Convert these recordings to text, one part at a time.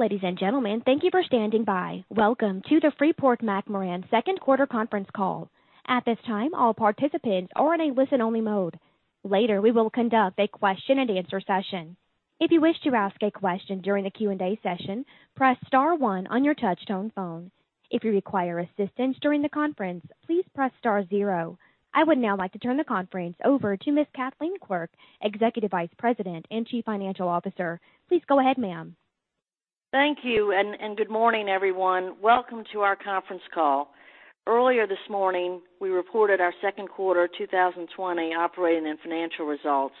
Ladies and gentlemen, thank you for standing by. Welcome to the Freeport-McMoRan second quarter conference call. At this time, all participants are in a listen-only mode. Later, we will conduct a question-and-answer session. If you wish to ask a question during the Q&A session, press star one on your touch-tone phone. If you require assistance during the conference, please press star zero. I would now like to turn the conference over to Ms. Kathleen Quirk, Executive Vice President and Chief Financial Officer. Please go ahead, ma'am. Thank you. Good morning, everyone. Welcome to our conference call. Earlier this morning, we reported our second quarter 2020 operating and financial results,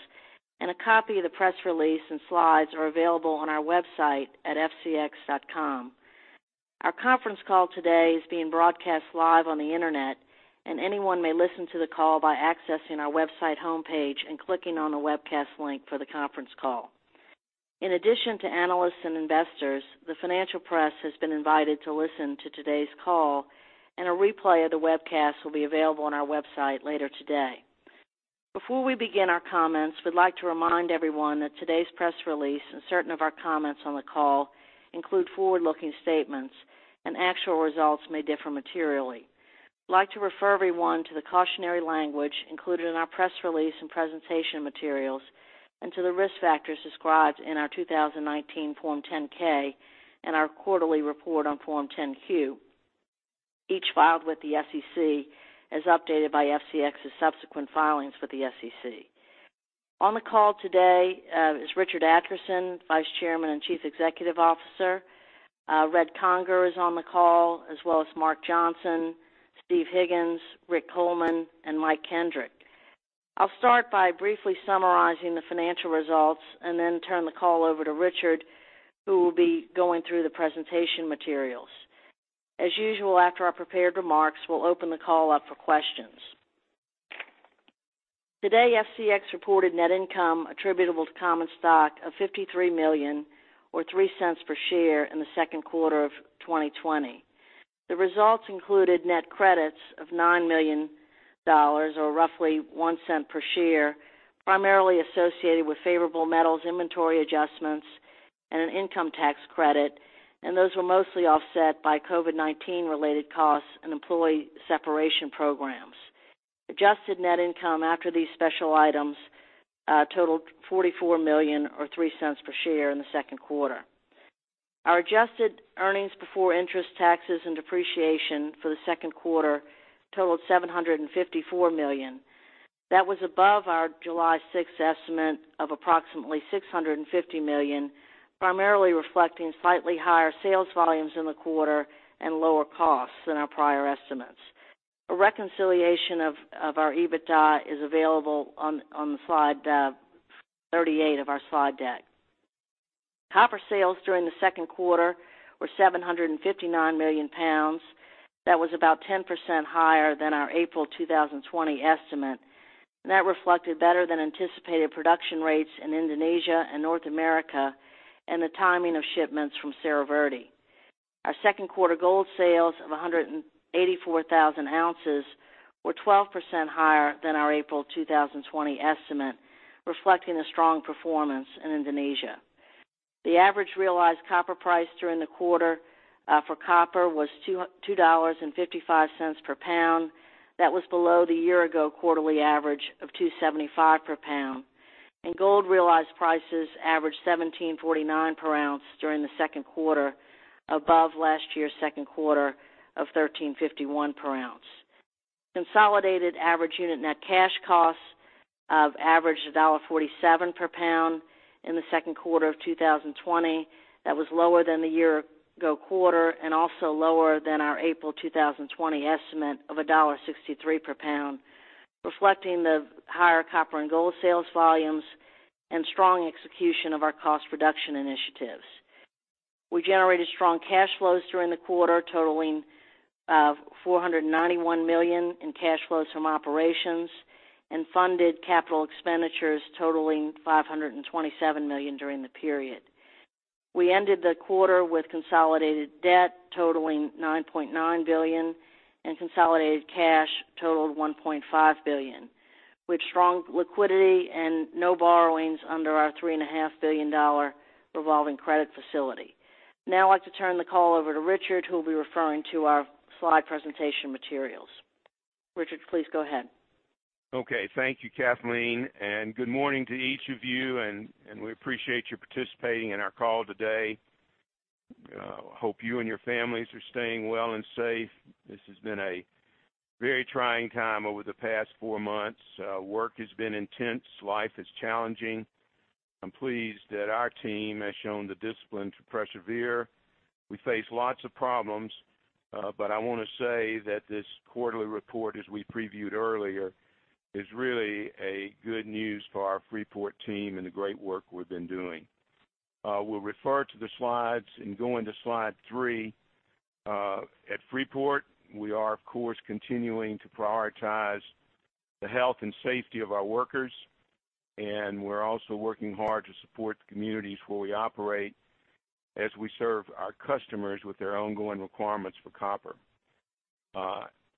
and a copy of the press release and slides are available on our website at fcx.com. Our conference call today is being broadcast live on the internet, and anyone may listen to the call by accessing our website homepage and clicking on the webcast link for the conference call. In addition to analysts and investors, the financial press has been invited to listen to today's call, and a replay of the webcast will be available on our website later today. Before we begin our comments, we'd like to remind everyone that today's press release and certain of our comments on the call include forward-looking statements, and actual results may differ materially. We'd like to refer everyone to the cautionary language included in our press release and presentation materials and to the risk factors described in our 2019 Form 10-K and our quarterly report on Form 10-Q, each filed with the SEC as updated by FCX's subsequent filings with the SEC. On the call today is Richard Adkerson, Vice Chairman and Chief Executive Officer. Red Conger is on the call, as well as Mark Johnson, Steve Higgins, Rick Coleman, and Mike Kendrick. I'll start by briefly summarizing the financial results and then turn the call over to Richard, who will be going through the presentation materials. As usual, after our prepared remarks, we'll open the call up for questions. Today, FCX reported net income attributable to common stock of $53 million or $0.03 per share in the second quarter of 2020. The results included net credits of $9 million, or roughly $0.01 per share, primarily associated with favorable metals inventory adjustments and an income tax credit. Those were mostly offset by COVID-19 related costs and employee separation programs. Adjusted net income after these special items totaled $44 million, or $0.03 per share in the second quarter. Our adjusted earnings before interest, taxes, and depreciation for the second quarter totaled $754 million. That was above our July 6 estimate of approximately $650 million, primarily reflecting slightly higher sales volumes in the quarter and lower costs than our prior estimates. A reconciliation of our EBITDA is available on slide 38 of our slide deck. Copper sales during the second quarter were 759 million pounds. That was about 10% higher than our April 2020 estimate. That reflected better than anticipated production rates in Indonesia and North America and the timing of shipments from Cerro Verde. Our second quarter gold sales of 184,000 ounces were 12% higher than our April 2020 estimate, reflecting the strong performance in Indonesia. The average realized copper price during the quarter for copper was $2.55 per pound. That was below the year-ago quarterly average of $2.75 per pound. Gold realized prices averaged $1,749 per ounce during the second quarter, above last year's second quarter of $1,351 per ounce. Consolidated average unit net cash costs of $1.47 per pound in the second quarter of 2020. That was lower than the year-ago quarter and also lower than our April 2020 estimate of $1.63 per pound, reflecting the higher copper and gold sales volumes and strong execution of our cost reduction initiatives. We generated strong cash flows during the quarter, totaling $491 million in cash flows from operations and funded capital expenditures totaling $527 million during the period. We ended the quarter with consolidated debt totaling $9.9 billion and consolidated cash totaled $1.5 billion, with strong liquidity and no borrowings under our $3.5 billion revolving credit facility. Now I'd like to turn the call over to Richard, who will be referring to our slide presentation materials. Richard, please go ahead. Okay. Thank you, Kathleen, good morning to each of you, we appreciate you participating in our call today. Hope you and your families are staying well and safe. This has been a very trying time over the past four months. Work has been intense. Life is challenging. I'm pleased that our team has shown the discipline to persevere. We face lots of problems, I want to say that this quarterly report, as we previewed earlier, is really a good news for our Freeport team and the great work we've been doing. We'll refer to the slides and go into slide three. At Freeport, we are, of course, continuing to prioritize the health and safety of our workers, and we're also working hard to support the communities where we operate as we serve our customers with their ongoing requirements for copper.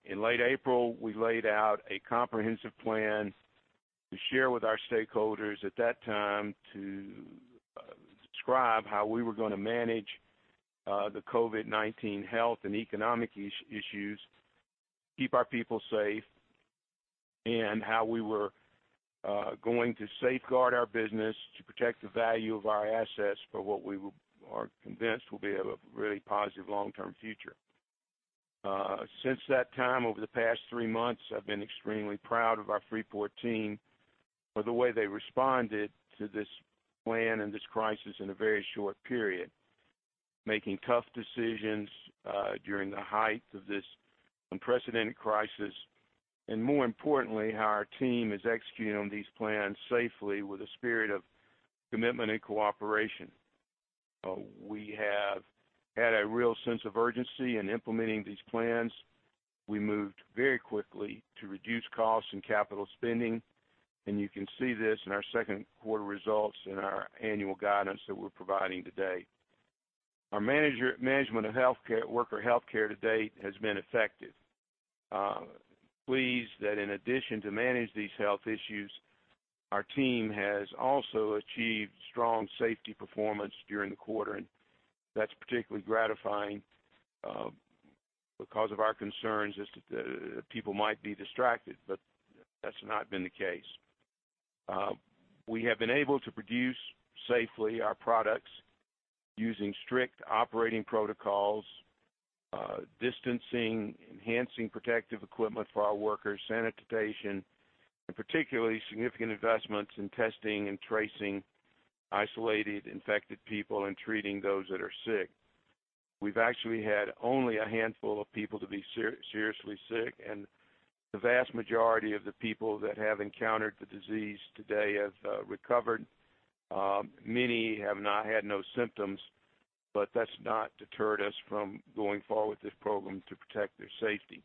In late April, we laid out a comprehensive plan to share with our stakeholders at that time to describe how we were going to manage the COVID-19 health and economic issues, keep our people safe, and how we were going to safeguard our business to protect the value of our assets for what we are convinced will be a really positive long-term future. Since that time, over the past three months, I've been extremely proud of our Freeport team for the way they responded to this plan and this crisis in a very short period, making tough decisions during the height of this unprecedented crisis, and more importantly, how our team is executing on these plans safely with a spirit of commitment and cooperation. We have had a real sense of urgency in implementing these plans. We moved very quickly to reduce costs and capital spending, and you can see this in our second quarter results and our annual guidance that we're providing today. Our management of worker healthcare to date has been effective. Pleased that in addition to manage these health issues, our team has also achieved strong safety performance during the quarter, and that's particularly gratifying because of our concerns is that people might be distracted, but that's not been the case. We have been able to produce safely our products using strict operating protocols, distancing, enhancing protective equipment for our workers, sanitation, and particularly significant investments in testing and tracing isolated infected people and treating those that are sick. We've actually had only a handful of people to be seriously sick, and the vast majority of the people that have encountered the disease to date have recovered. Many have not had no symptoms, but that's not deterred us from going forward with this program to protect their safety.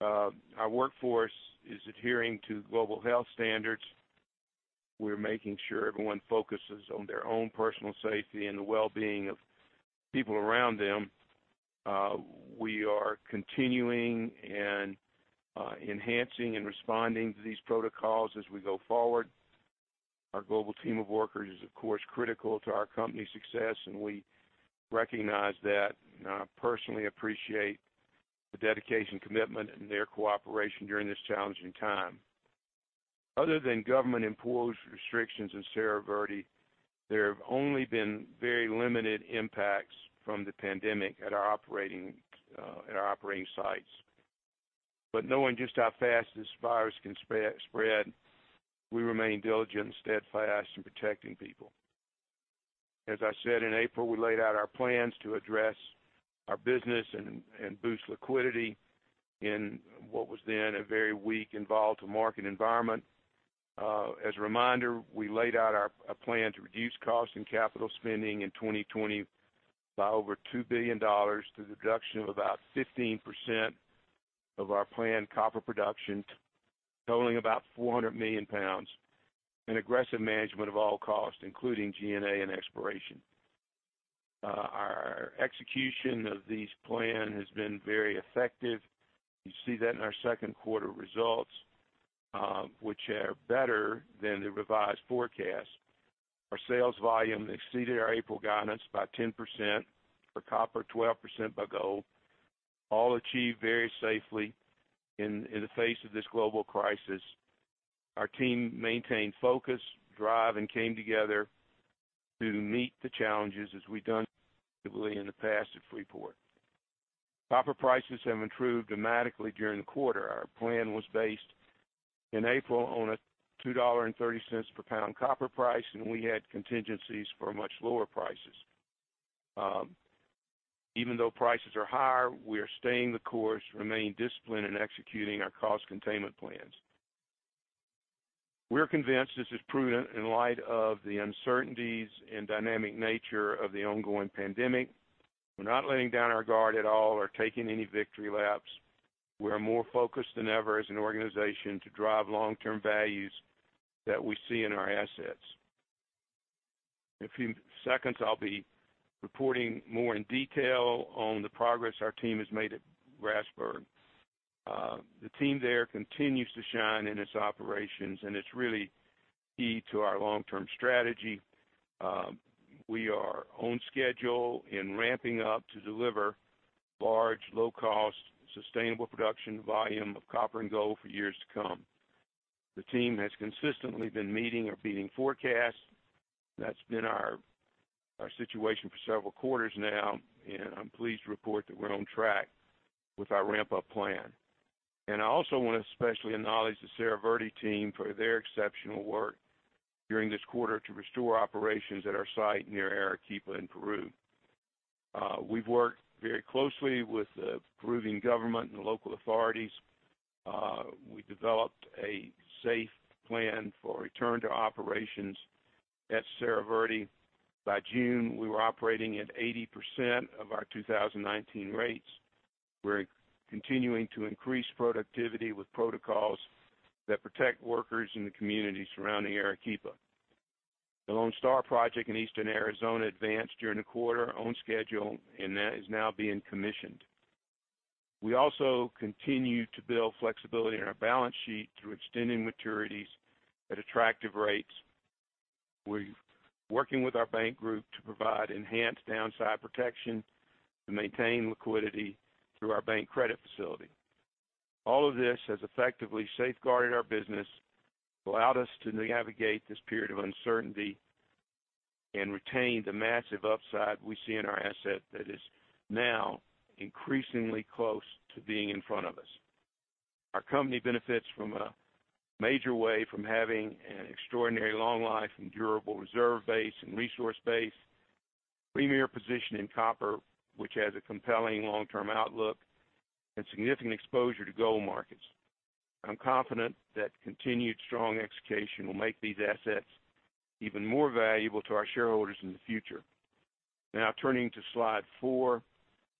Our workforce is adhering to global health standards. We're making sure everyone focuses on their own personal safety and the well-being of people around them. We are continuing and enhancing and responding to these protocols as we go forward. Our global team of workers is, of course, critical to our company's success, and we recognize that, and I personally appreciate the dedication, commitment, and their cooperation during this challenging time. Other than government-imposed restrictions in Cerro Verde, there have only been very limited impacts from the pandemic at our operating sites. Knowing just how fast this virus can spread, we remain diligent and steadfast in protecting people. As I said, in April, we laid out our plans to address our business and boost liquidity in what was then a very weak and volatile market environment. As a reminder, we laid out a plan to reduce costs and capital spending in 2020 by over $2 billion through the reduction of about 15% of our planned copper production, totaling about 400 million pounds, and aggressive management of all costs, including G&A and exploration. Our execution of this plan has been very effective. You see that in our second quarter results, which are better than the revised forecast. Our sales volume exceeded our April guidance by 10%, for copper, 12% by gold, all achieved very safely in the face of this global crisis. Our team maintained focus, drive, and came together to meet the challenges as we've done in the past at Freeport. Copper prices have improved dramatically during the quarter. Our plan was based in April on a $2.30 per pound copper price, and we had contingencies for much lower prices. Even though prices are higher, we are staying the course, remain disciplined in executing our cost containment plans. We're convinced this is prudent in light of the uncertainties and dynamic nature of the ongoing pandemic. We're not letting down our guard at all or taking any victory laps. We are more focused than ever as an organization to drive long-term values that we see in our assets. In a few seconds, I'll be reporting more in detail on the progress our team has made at Grasberg. The team there continues to shine in its operations, and it's really key to our long-term strategy. We are on schedule in ramping up to deliver large, low-cost, sustainable production volume of copper and gold for years to come. The team has consistently been meeting or beating forecasts. That's been our situation for several quarters now, and I'm pleased to report that we're on track with our ramp-up plan. I also want to especially acknowledge the Cerro Verde team for their exceptional work during this quarter to restore operations at our site near Arequipa in Peru. We've worked very closely with the Peruvian government and the local authorities. We developed a safe plan for return to operations at Cerro Verde. By June, we were operating at 80% of our 2019 rates. We're continuing to increase productivity with protocols that protect workers in the community surrounding Arequipa. The Lone Star project in Eastern Arizona advanced during the quarter on schedule, and that is now being commissioned. We also continue to build flexibility in our balance sheet through extending maturities at attractive rates. We're working with our bank group to provide enhanced downside protection to maintain liquidity through our bank credit facility. All of this has effectively safeguarded our business, allowed us to navigate this period of uncertainty, and retain the massive upside we see in our asset that is now increasingly close to being in front of us. Our company benefits from a major way from having an extraordinary long life and durable reserve base and resource base, premier position in copper, which has a compelling long-term outlook, and significant exposure to gold markets. I'm confident that continued strong execution will make these assets even more valuable to our shareholders in the future. Turning to slide four,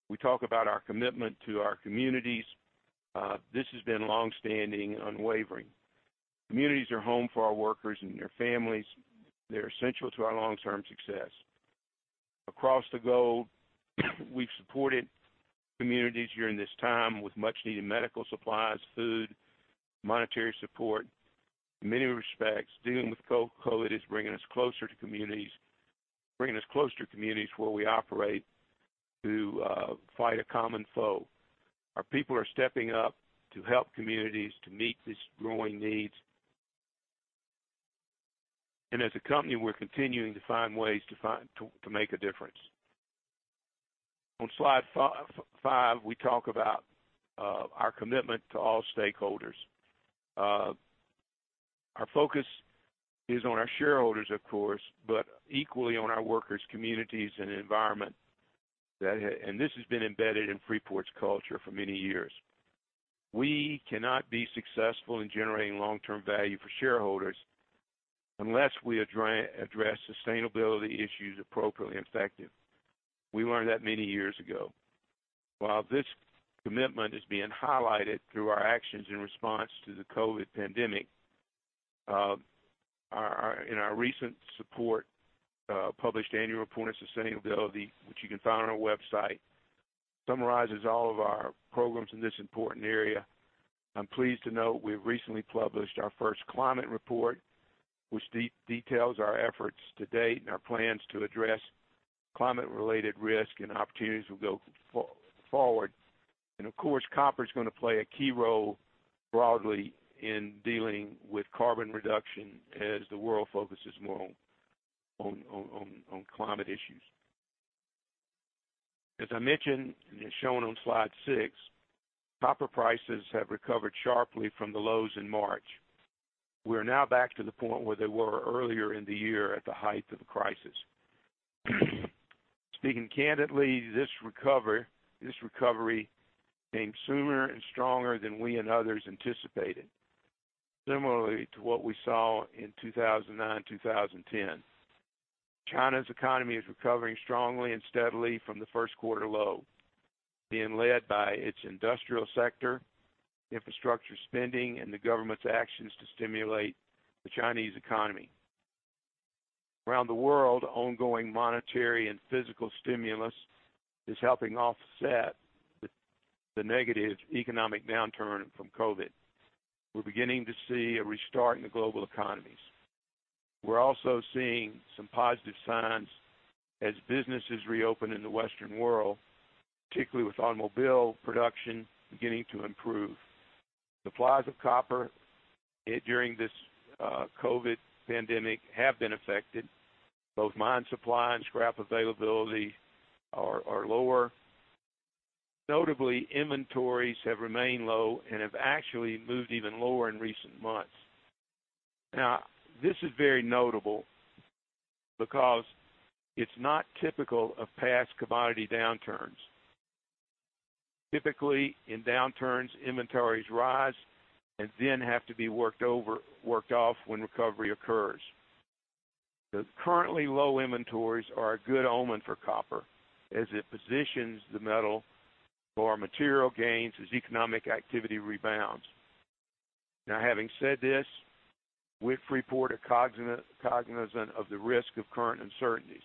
we talk about our commitment to our communities. This has been longstanding, unwavering. Communities are home for our workers and their families. They're essential to our long-term success. Across the globe, we've supported communities during this time with much needed medical supplies, food, monetary support. In many respects, dealing with COVID is bringing us closer to communities where we operate to fight a common foe. Our people are stepping up to help communities to meet these growing needs. As a company, we're continuing to find ways to make a difference. On slide five, we talk about our commitment to all stakeholders. Our focus is on our shareholders, of course, but equally on our workers, communities, and environment. This has been embedded in Freeport's culture for many years. We cannot be successful in generating long-term value for shareholders unless we address sustainability issues appropriately and effectively. We learned that many years ago. While this commitment is being highlighted through our actions in response to the COVID-19 pandemic, in our recent support, published annual report on sustainability, which you can find on our website, summarizes all of our programs in this important area. I'm pleased to note we have recently published our first climate report, which details our efforts to date and our plans to address climate-related risk and opportunities as we go forward. Of course, copper is going to play a key role broadly in dealing with carbon reduction as the world focuses more on climate issues. As I mentioned, and it's shown on slide six, copper prices have recovered sharply from the lows in March. We are now back to the point where they were earlier in the year at the height of the crisis. Speaking candidly, this recovery came sooner and stronger than we and others anticipated. Similarly to what we saw in 2009, 2010. China's economy is recovering strongly and steadily from the first quarter low, being led by its industrial sector, infrastructure spending, and the government's actions to stimulate the Chinese economy. Around the world, ongoing monetary and fiscal stimulus is helping offset the negative economic downturn from COVID-19. We're beginning to see a restart in the global economies. We're also seeing some positive signs as businesses reopen in the Western world, particularly with automobile production beginning to improve. Supplies of copper during this COVID-19 pandemic have been affected. Both mine supply and scrap availability are lower. Notably, inventories have remained low and have actually moved even lower in recent months. Now, this is very notable because it's not typical of past commodity downturns. Typically, in downturns, inventories rise and then have to be worked off when recovery occurs. The currently low inventories are a good omen for copper as it positions the metal for material gains as economic activity rebounds. Having said this, with Freeport cognizant of the risk of current uncertainties,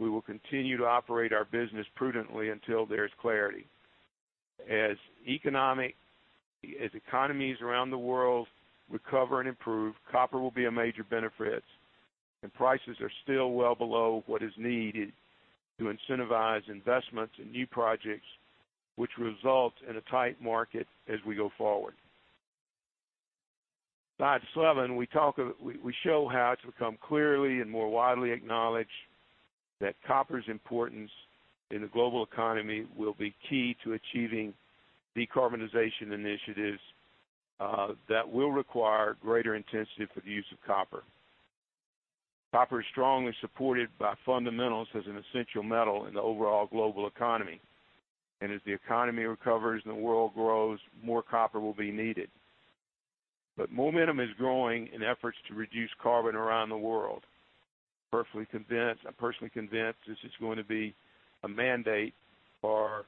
we will continue to operate our business prudently until there is clarity. As economies around the world recover and improve, copper will be a major benefit, and prices are still well below what is needed to incentivize investments in new projects, which result in a tight market as we go forward. Slide seven, we show how it's become clearly and more widely acknowledged that copper's importance in the global economy will be key to achieving decarbonization initiatives that will require greater intensity for the use of copper. Copper is strongly supported by fundamentals as an essential metal in the overall global economy. As the economy recovers and the world grows, more copper will be needed. Momentum is growing in efforts to reduce carbon around the world. I'm personally convinced this is going to be a mandate for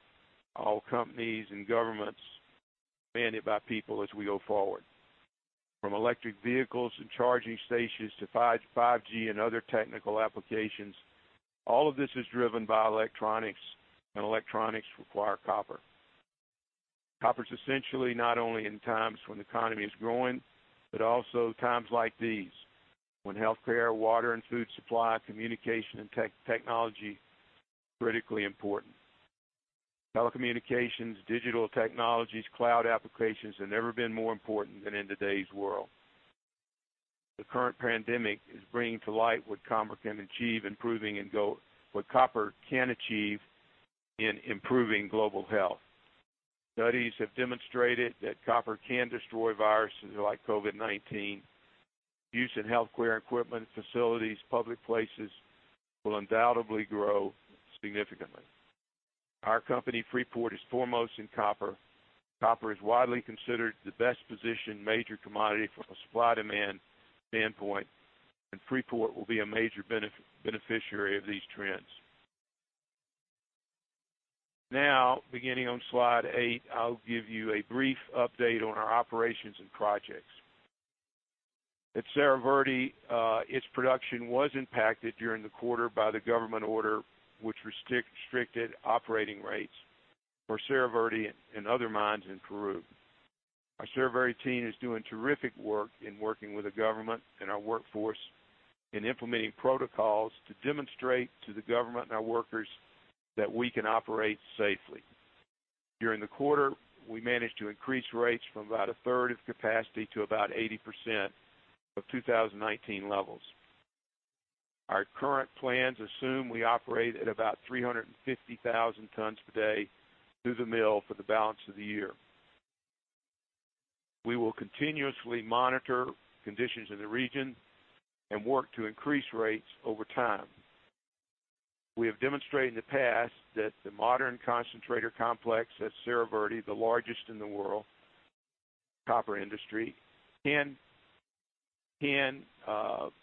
all companies and governments demanded by people as we go forward. From electric vehicles and charging stations to 5G and other technical applications, all of this is driven by electronics, and electronics require copper. Copper is essential not only in times when the economy is growing, but also times like these, when healthcare, water and food supply, communication, and technology are critically important. Telecommunications, digital technologies, cloud applications have never been more important than in today's world. The current pandemic is bringing to light what copper can achieve in improving global health. Studies have demonstrated that copper can destroy viruses like COVID-19. Use in healthcare equipment, facilities, public places will undoubtedly grow significantly. Our company, Freeport, is foremost in copper. Copper is widely considered the best positioned major commodity from a supply-demand standpoint, and Freeport will be a major beneficiary of these trends. Now, beginning on slide eight, I'll give you a brief update on our operations and projects. At Cerro Verde, its production was impacted during the quarter by the government order which restricted operating rates for Cerro Verde and other mines in Peru. Our Cerro Verde team is doing terrific work in working with the government and our workforce in implementing protocols to demonstrate to the government and our workers that we can operate safely. During the quarter, we managed to increase rates from about a third of capacity to about 80% of 2019 levels. Our current plans assume we operate at about 350,000 tons per day through the mill for the balance of the year. We will continuously monitor conditions in the region and work to increase rates over time. We have demonstrated in the past that the modern concentrator complex at Cerro Verde, the largest in the world copper industry, can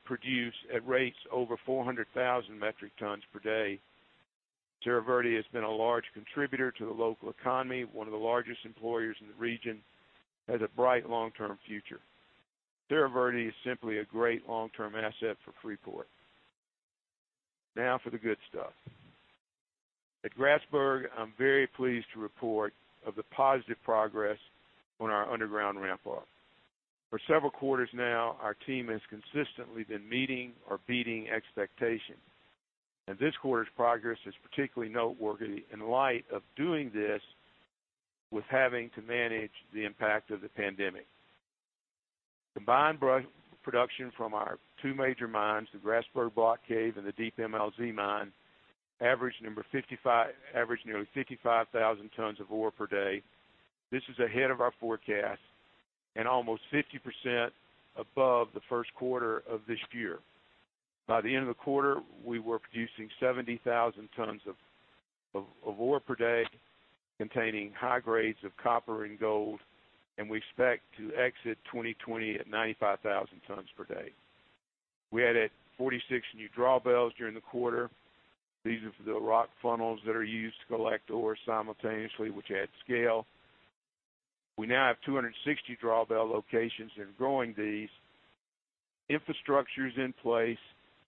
produce at rates over 400,000 metric tons per day. Cerro Verde has been a large contributor to the local economy, one of the largest employers in the region, has a bright long-term future. Cerro Verde is simply a great long-term asset for Freeport. Now for the good stuff. At Grasberg, I'm very pleased to report of the positive progress on our underground ramp up. For several quarters now, our team has consistently been meeting or beating expectations. This quarter's progress is particularly noteworthy in light of doing this with having to manage the impact of the pandemic. Combined production from our two major mines, the Grasberg Block Cave and the Deep MLZ mine, averaged nearly 55,000 tons of ore per day. This is ahead of our forecast and almost 50% above the first quarter of this year. By the end of the quarter, we were producing 70,000 tons of ore per day containing high grades of copper and gold, and we expect to exit 2020 at 95,000 tons per day. We added 46 new drawbells during the quarter. These are the rock funnels that are used to collect ore simultaneously, which add scale. We now have 260 drawbell locations and growing these. Infrastructure is in place.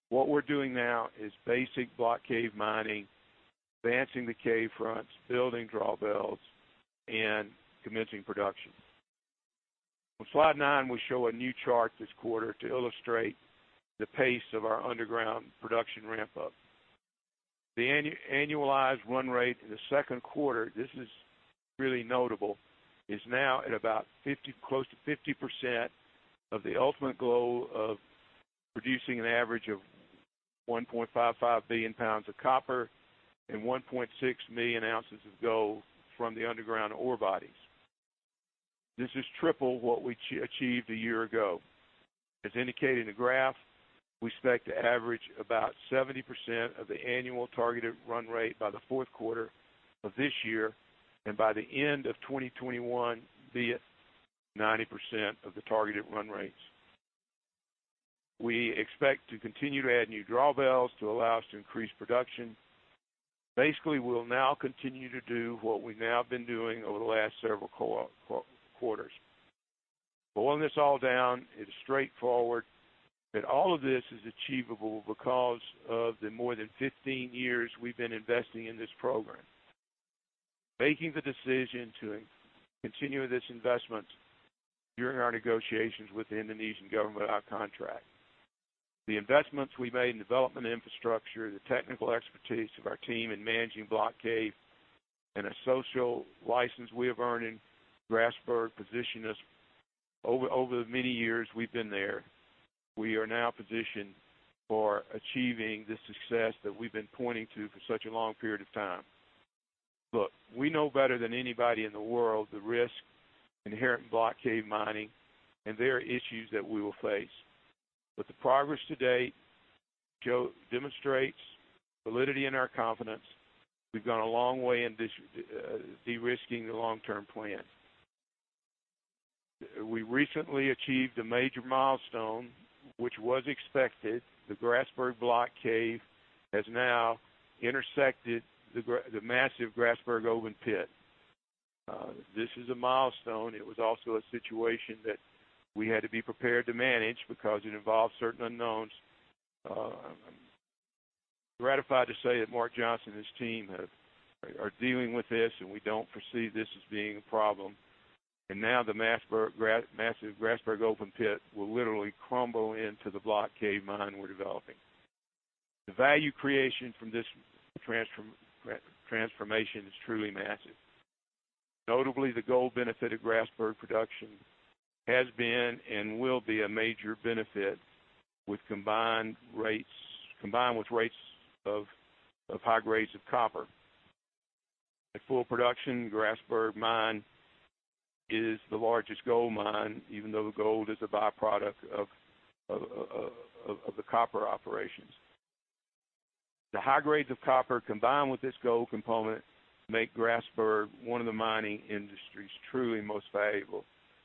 What we're doing now is basic block cave mining, advancing the cave fronts, building drawbells, and commencing production. On slide nine, we show a new chart this quarter to illustrate the pace of our underground production ramp-up. The annualized run rate in the second quarter, this is really notable, is now at about close to 50% of the ultimate goal of producing an average of 1.55 billion pounds of copper and 1.6 million ounces of gold from the underground ore bodies. This is triple what we achieved a year ago. As indicated in the graph, we expect to average about 70% of the annual targeted run rate by the fourth quarter of this year, and by the end of 2021, be at 90% of the targeted run rates. We expect to continue to add new drawbells to allow us to increase production. Basically, we'll now continue to do what we now have been doing over the last several quarters. Boiling this all down, it is straightforward that all of this is achievable because of the more than 15 years we've been investing in this program. Making the decision to continue with this investment during our negotiations with the Indonesian government on our contract. The investments we made in development infrastructure, the technical expertise of our team in managing block cave, and a social license we have earned in Grasberg position us over the many years we've been there. We are now positioned for achieving the success that we've been pointing to for such a long period of time. Look, we know better than anybody in the world the risk inherent in block cave mining and there are issues that we will face. The progress to date demonstrates validity in our confidence. We've gone a long way in de-risking the long-term plan. We recently achieved a major milestone, which was expected. The Grasberg block cave has now intersected the massive Grasberg open pit. This is a milestone. It was also a situation that we had to be prepared to manage because it involved certain unknowns. I'm gratified to say that Mark Johnson and his team are dealing with this, and we don't foresee this as being a problem. Now the massive Grasberg open pit will literally crumble into the block cave mine we're developing. The value creation from this transformation is truly massive. Notably, the gold benefit of Grasberg production has been and will be a major benefit combined with rates of high grades of copper. At full production, Grasberg mine is the largest gold mine, even though gold is a byproduct of the copper operations. The high grades of copper, combined with this gold component, make Grasberg one of the mining industry's truly most valuable,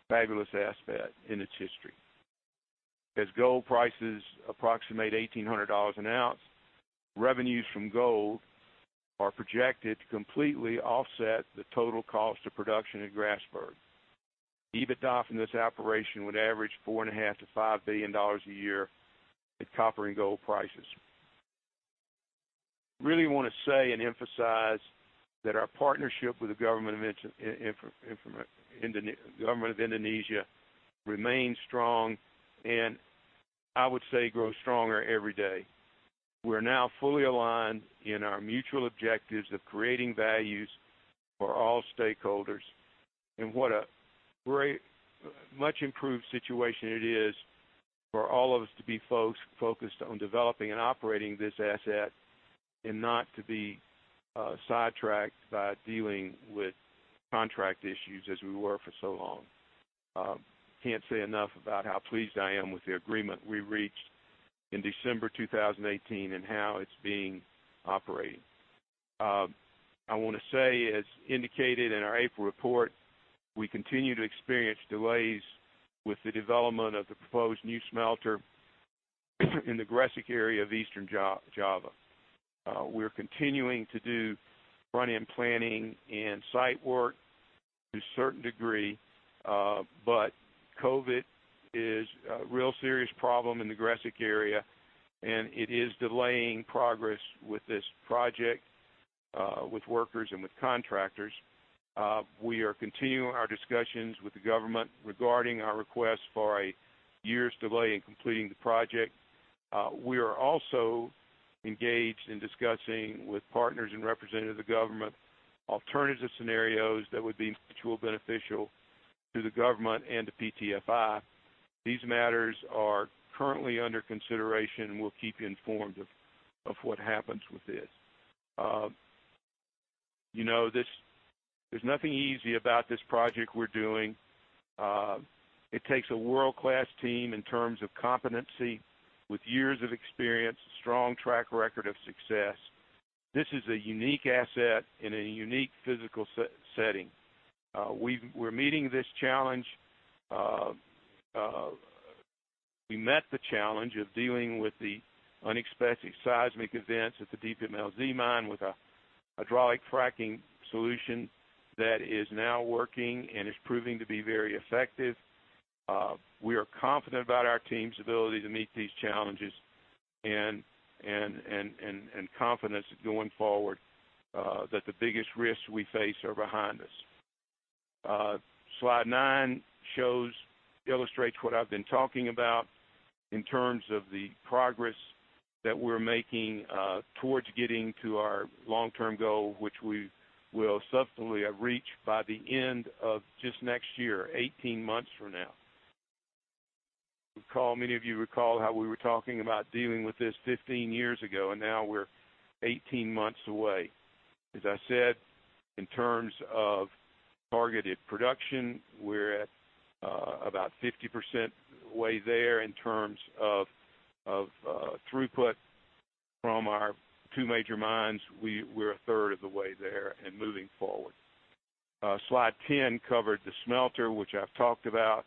fabulous asset in its history. As gold prices approximate $1,800 an ounce, revenues from gold are projected to completely offset the total cost of production at Grasberg. EBITDA from this operation would average $4.5 billion-$5 billion a year at copper and gold prices. Really want to say and emphasize that our partnership with the government of Indonesia remains strong, and I would say grows stronger every day. We're now fully aligned, you know, in our mutual objectives of creating values for all stakeholders, and what a much-improved situation it is for all of us to be focused on developing and operating this asset and not to be sidetracked by dealing with contract issues as we were for so long. Can't say enough about how pleased I am with the agreement we reached in December 2018 and how it's being operated. I want to say, as indicated in our April report, we continue to experience delays with the development of the proposed new smelter in the Gresik area of Eastern Java. We're continuing to do front-end planning and site work to a certain degree. COVID is a real serious problem in the Gresik area, and it is delaying progress with this project with workers and with contractors. We are continuing our discussions with the government regarding our request for a year's delay in completing the project. We are also engaged in discussing with partners and representatives of the government alternative scenarios that would be mutually beneficial to the government and to PTFI. These matters are currently under consideration, and we'll keep you informed of what happens with this. There's nothing easy about this project we're doing. It takes a world-class team in terms of competency with years of experience, a strong track record of success. This is a unique asset in a unique physical setting. We're meeting this challenge. We met the challenge of dealing with the unexpected seismic events at the DMLZ mine with a hydraulic fracking solution that is now working and is proving to be very effective. We are confident about our team's ability to meet these challenges and confidence going forward that the biggest risks we face are behind us. Slide nine illustrates what I've been talking about in terms of the progress that we're making towards getting to our long-term goal, which we will subsequently have reached by the end of just next year, 18 months from now. Many of you recall how we were talking about dealing with this 15 years ago. Now we're 18 months away. As I said, in terms of targeted production, we're at about 50% way there. In terms of throughput from our two major mines, we're a third of the way there and moving forward. Slide 10 covered the smelter, which I've talked about.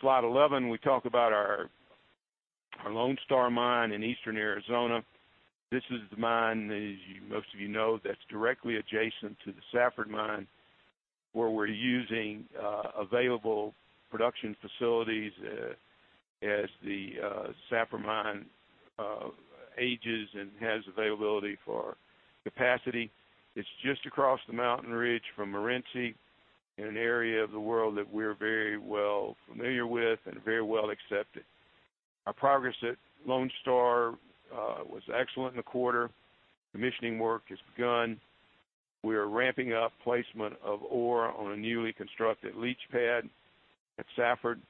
Slide 11, we talk about our Lone Star mine in Eastern Arizona. This is the mine, as most of you know, that's directly adjacent to the Safford mine, where we're using available production facilities as the Safford mine ages and has availability for capacity. It's just across the mountain ridge from Morenci in an area of the world that we're very well familiar with and very well accepted. Our progress at Lone Star was excellent in the quarter. Commissioning work has begun. We are ramping up placement of ore on a newly constructed leach pad at Safford.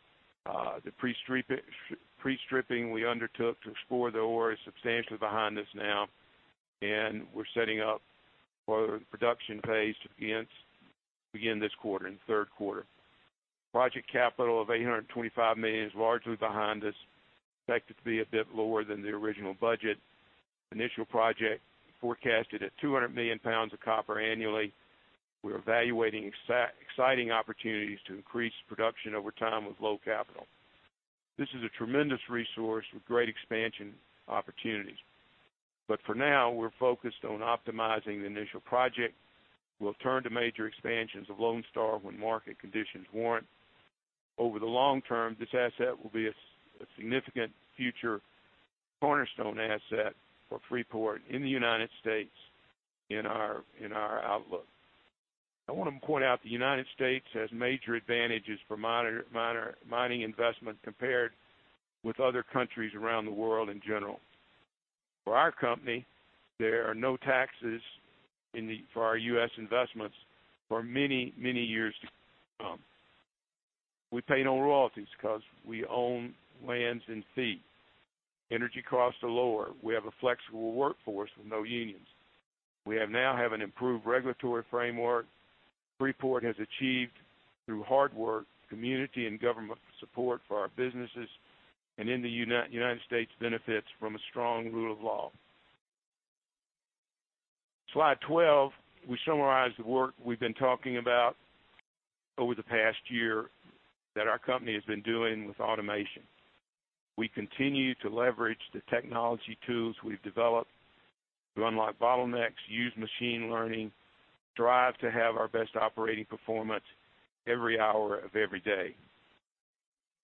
The pre-stripping we undertook to explore the ore is substantially behind us now, and we're setting up for production phase to begin this quarter, in the third quarter. Project capital of $825 million is largely behind us, expected to be a bit lower than the original budget. Initial project forecasted at 200 million pounds of copper annually. We're evaluating exciting opportunities to increase production over time with low capital. This is a tremendous resource with great expansion opportunities. For now, we're focused on optimizing the initial project. We'll turn to major expansions of Lone Star when market conditions warrant. Over the long term, this asset will be a significant future cornerstone asset for Freeport in the United States in our outlook. I want to point out the United States has major advantages for mining investment compared with other countries around the world in general. For our company, there are no taxes for our U.S. investments for many, many years to come. We pay no royalties because we own lands in fee. Energy costs are lower. We have a flexible workforce with no unions. We now have an improved regulatory framework. Freeport has achieved, through hard work, community and government support for our businesses, and in the U.S., benefits from a strong rule of law. Slide 12, we summarize the work we've been talking about over the past year that our company has been doing with automation. We continue to leverage the technology tools we've developed to unlock bottlenecks, use machine learning, strive to have our best operating performance every hour of every day.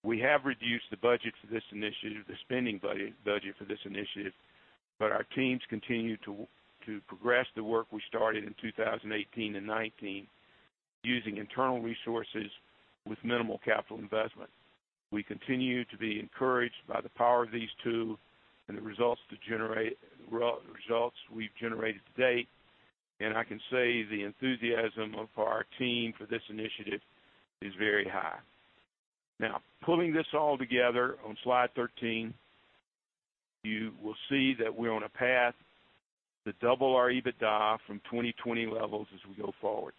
We have reduced the budget for this initiative, the spending budget for this initiative, but our teams continue to progress the work we started in 2018 and 2019 using internal resources with minimal capital investment. We continue to be encouraged by the power of these tools and the results we've generated to date, and I can say the enthusiasm of our team for this initiative is very high. Now, pulling this all together on slide 13, you will see that we're on a path to double our EBITDA from 2020 levels as we go forward.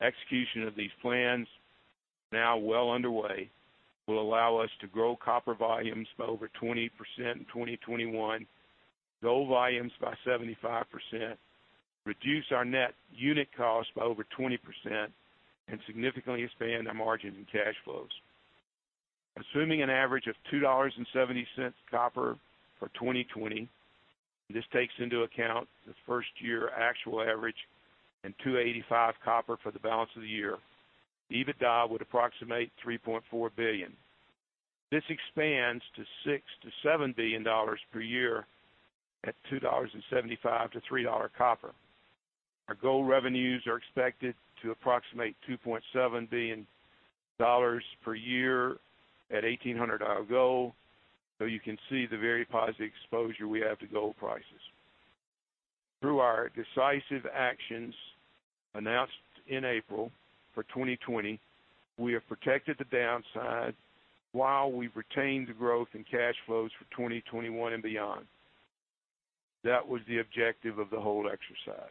Execution of these plans, now well underway, will allow us to grow copper volumes by over 20% in 2021, gold volumes by 75%, reduce our net unit cost by over 20%, and significantly expand our margin and cash flows. Assuming an average of $2.70 copper for 2020, this takes into account the first year actual average and $2.85 copper for the balance of the year, EBITDA would approximate $3.4 billion. This expands to $6 billion-$7 billion per year at $2.75-$3 copper. Our gold revenues are expected to approximate [$2.17 billion] per year at $1,800 gold. You can see the very positive exposure we have to gold prices. Through our decisive actions announced in April for 2020, we have protected the downside while we've retained the growth in cash flows for 2021 and beyond. That was the objective of the whole exercise.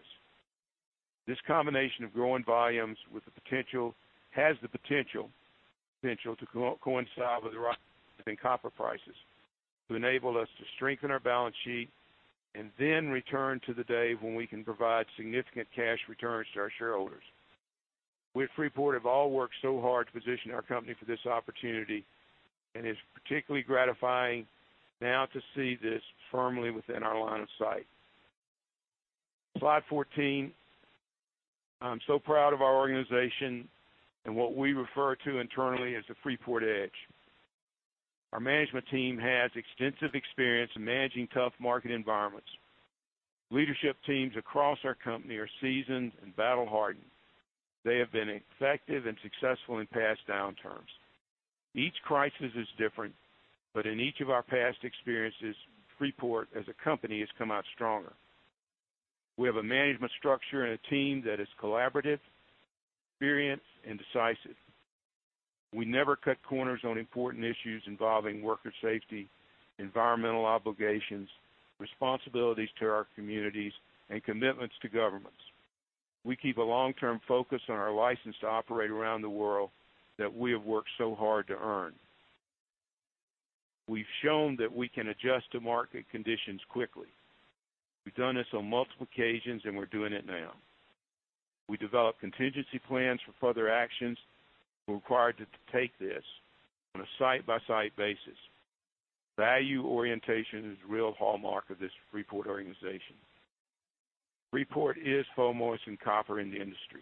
This combination of growing volumes has the potential to coincide with the rise in copper prices, to enable us to strengthen our balance sheet and then return to the day when we can provide significant cash returns to our shareholders. We at Freeport have all worked so hard to position our company for this opportunity, and it's particularly gratifying now to see this firmly within our line of sight. Slide 14. I'm so proud of our organization and what we refer to internally as the Freeport Edge. Our management team has extensive experience in managing tough market environments. Leadership teams across our company are seasoned and battle-hardened. They have been effective and successful in past downturns. Each crisis is different, but in each of our past experiences, Freeport as a company has come out stronger. We have a management structure and a team that is collaborative, experienced, and decisive. We never cut corners on important issues involving worker safety, environmental obligations, responsibilities to our communities, and commitments to governments. We keep a long-term focus on our license to operate around the world that we have worked so hard to earn. We've shown that we can adjust to market conditions quickly. We've done this on multiple occasions, and we're doing it now. We develop contingency plans for further actions. We're required to take this on a site-by-site basis. Value orientation is a real hallmark of this Freeport organization. Freeport is foremost in copper in the industry,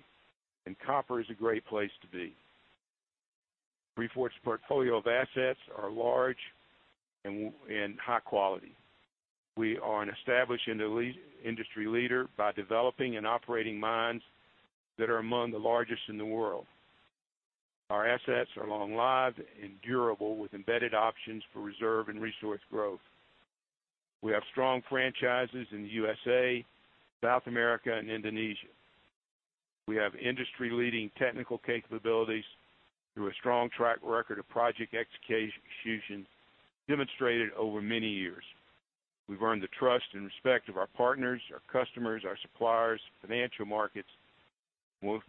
and copper is a great place to be. Freeport's portfolio of assets are large and high quality. We are an established industry leader by developing and operating mines that are among the largest in the world. Our assets are long-lived and durable with embedded options for reserve and resource growth. We have strong franchises in the U.S.A., South America, and Indonesia. We have industry-leading technical capabilities through a strong track record of project execution demonstrated over many years. We've earned the trust and respect of our partners, our customers, our suppliers, financial markets,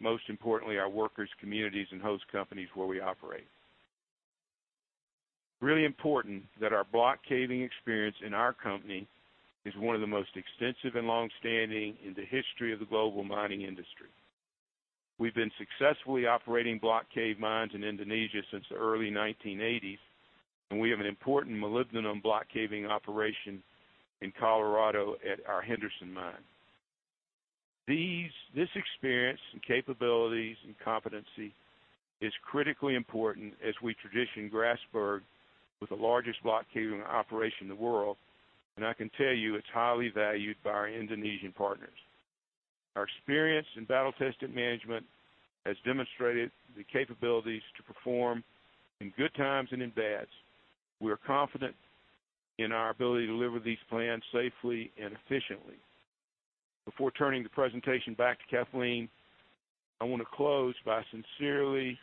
most importantly, our workers, communities, and host companies where we operate. Really important that our block caving experience in our company is one of the most extensive and longstanding in the history of the global mining industry. We've been successfully operating block cave mines in Indonesia since the early 1980s, and we have an important molybdenum block caving operation in Colorado at our Henderson mine. This experience and capabilities and competency is critically important as we transition Grasberg with the largest block caving operation in the world, and I can tell you it's highly valued by our Indonesian partners. Our experience and battle-tested management has demonstrated the capabilities to perform in good times and in bad. We are confident in our ability to deliver these plans safely and efficiently. Before turning the presentation back to Kathleen, I want to close by sincerely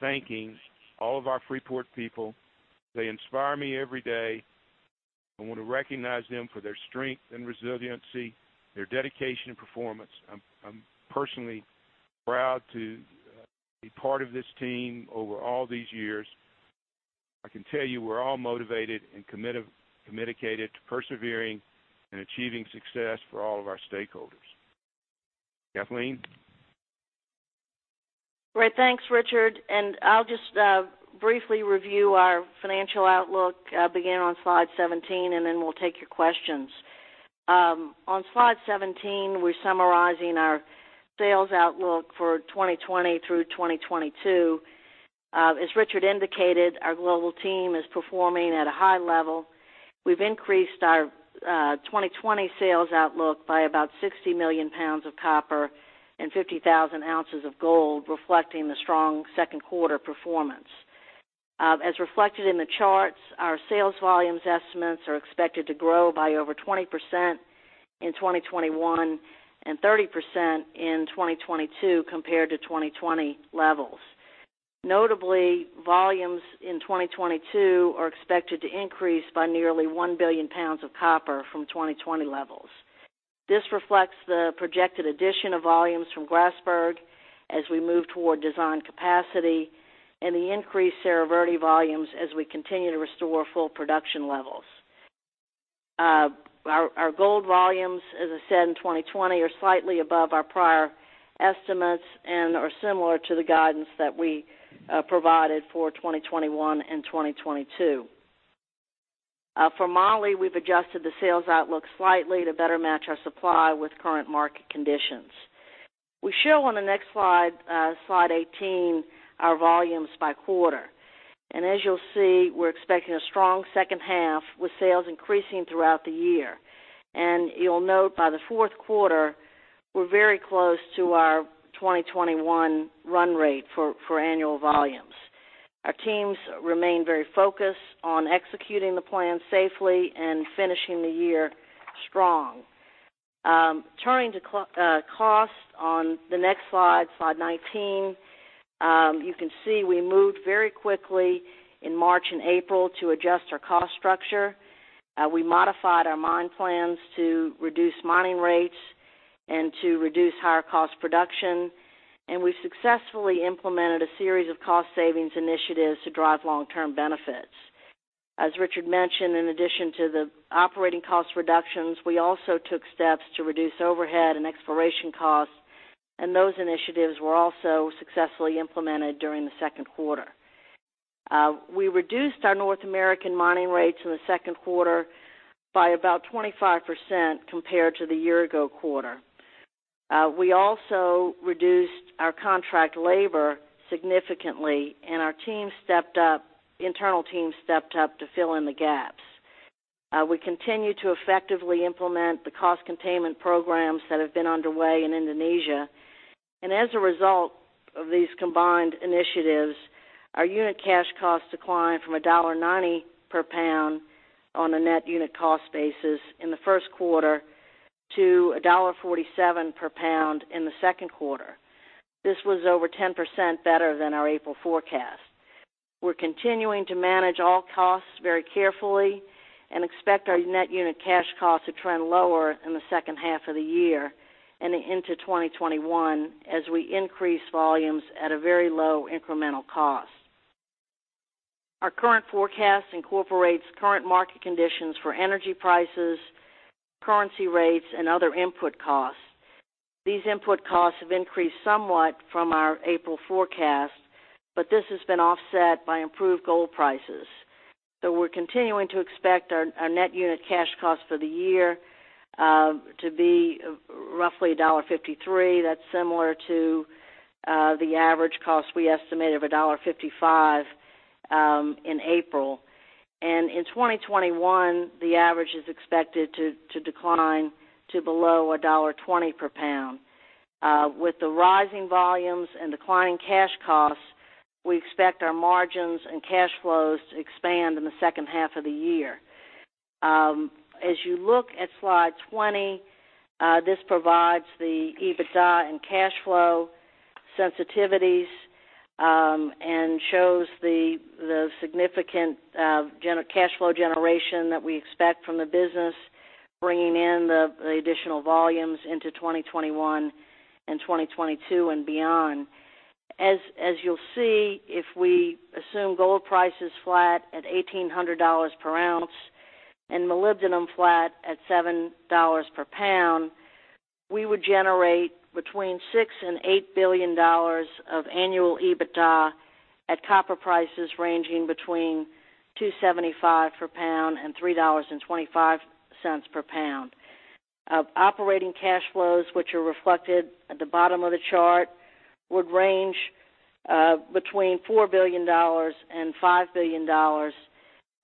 thanking all of our Freeport people. They inspire me every day. I want to recognize them for their strength and resiliency, their dedication and performance. I'm personally proud to be part of this team over all these years. I can tell you we're all motivated and communicated to persevering and achieving success for all of our stakeholders. Kathleen? Great. Thanks, Richard. I'll just briefly review our financial outlook, begin on slide 17, then we'll take your questions. On slide 17, we're summarizing our sales outlook for 2020 through 2022. As Richard indicated, our global team is performing at a high level. We've increased our 2020 sales outlook by about 60 million pounds of copper and 50,000 ounces of gold, reflecting the strong second quarter performance. As reflected in the charts, our sales volumes estimates are expected to grow by over 20% in 2021, 30% in 2022 compared to 2020 levels. Notably, volumes in 2022 are expected to increase by nearly 1 billion pounds of copper from 2020 levels. This reflects the projected addition of volumes from Grasberg as we move toward design capacity and the increased Cerro Verde volumes as we continue to restore full production levels. Our gold volumes, as I said, in 2020 are slightly above our prior estimates and are similar to the guidance that we provided for 2021 and 2022. For moly, we've adjusted the sales outlook slightly to better match our supply with current market conditions. We show on the next slide 18, our volumes by quarter. As you'll see, we're expecting a strong second half with sales increasing throughout the year. You'll note by the fourth quarter, we're very close to our 2021 run rate for annual volumes. Our teams remain very focused on executing the plan safely and finishing the year strong. Turning to cost on the next slide 19. You can see we moved very quickly in March and April to adjust our cost structure. We modified our mine plans to reduce mining rates and to reduce higher cost production. We successfully implemented a series of cost savings initiatives to drive long-term benefits. As Richard mentioned, in addition to the operating cost reductions, we also took steps to reduce overhead and exploration costs. Those initiatives were also successfully implemented during the second quarter. We reduced our North American mining rates in the second quarter by about 25% compared to the year-ago quarter. We also reduced our contract labor significantly. Our internal team stepped up to fill in the gaps. We continue to effectively implement the cost containment programs that have been underway in Indonesia. As a result of these combined initiatives, our unit cash costs declined from $1.90 per pound on a net unit cost basis in the first quarter to $1.47 per pound in the second quarter. This was over 10% better than our April forecast. We're continuing to manage all costs very carefully and expect our net unit cash cost to trend lower in the second half of the year and into 2021 as we increase volumes at a very low incremental cost. Our current forecast incorporates current market conditions for energy prices, currency rates, and other input costs. These input cost have increased somewhat from April forecast. But this has been offset by improved gold prices. We're continuing to expect our net unit cash cost for the year to be roughly $1.53. That's similar to the average cost we estimated of $1.55 in April. In 2021, the average is expected to decline to below $1.20 per pound. With the rising volumes and declining cash costs, we expect our margins and cash flows to expand in the second half of the year. As you look at slide 20, this provides the EBITDA and cash flow sensitivities and shows the significant cash flow generation that we expect from the business. Bringing in the additional volumes into 2021 and 2022 and beyond. As you'll see, if we assume gold price is flat at $1,800 per ounce and molybdenum flat at $7 per pound, we would generate between $6 billion and $8 billion of annual EBITDA at copper prices ranging between $2.75 per pound and $3.25 per pound. Operating cash flows, which are reflected at the bottom of the chart, would range between $4 billion and $5 billion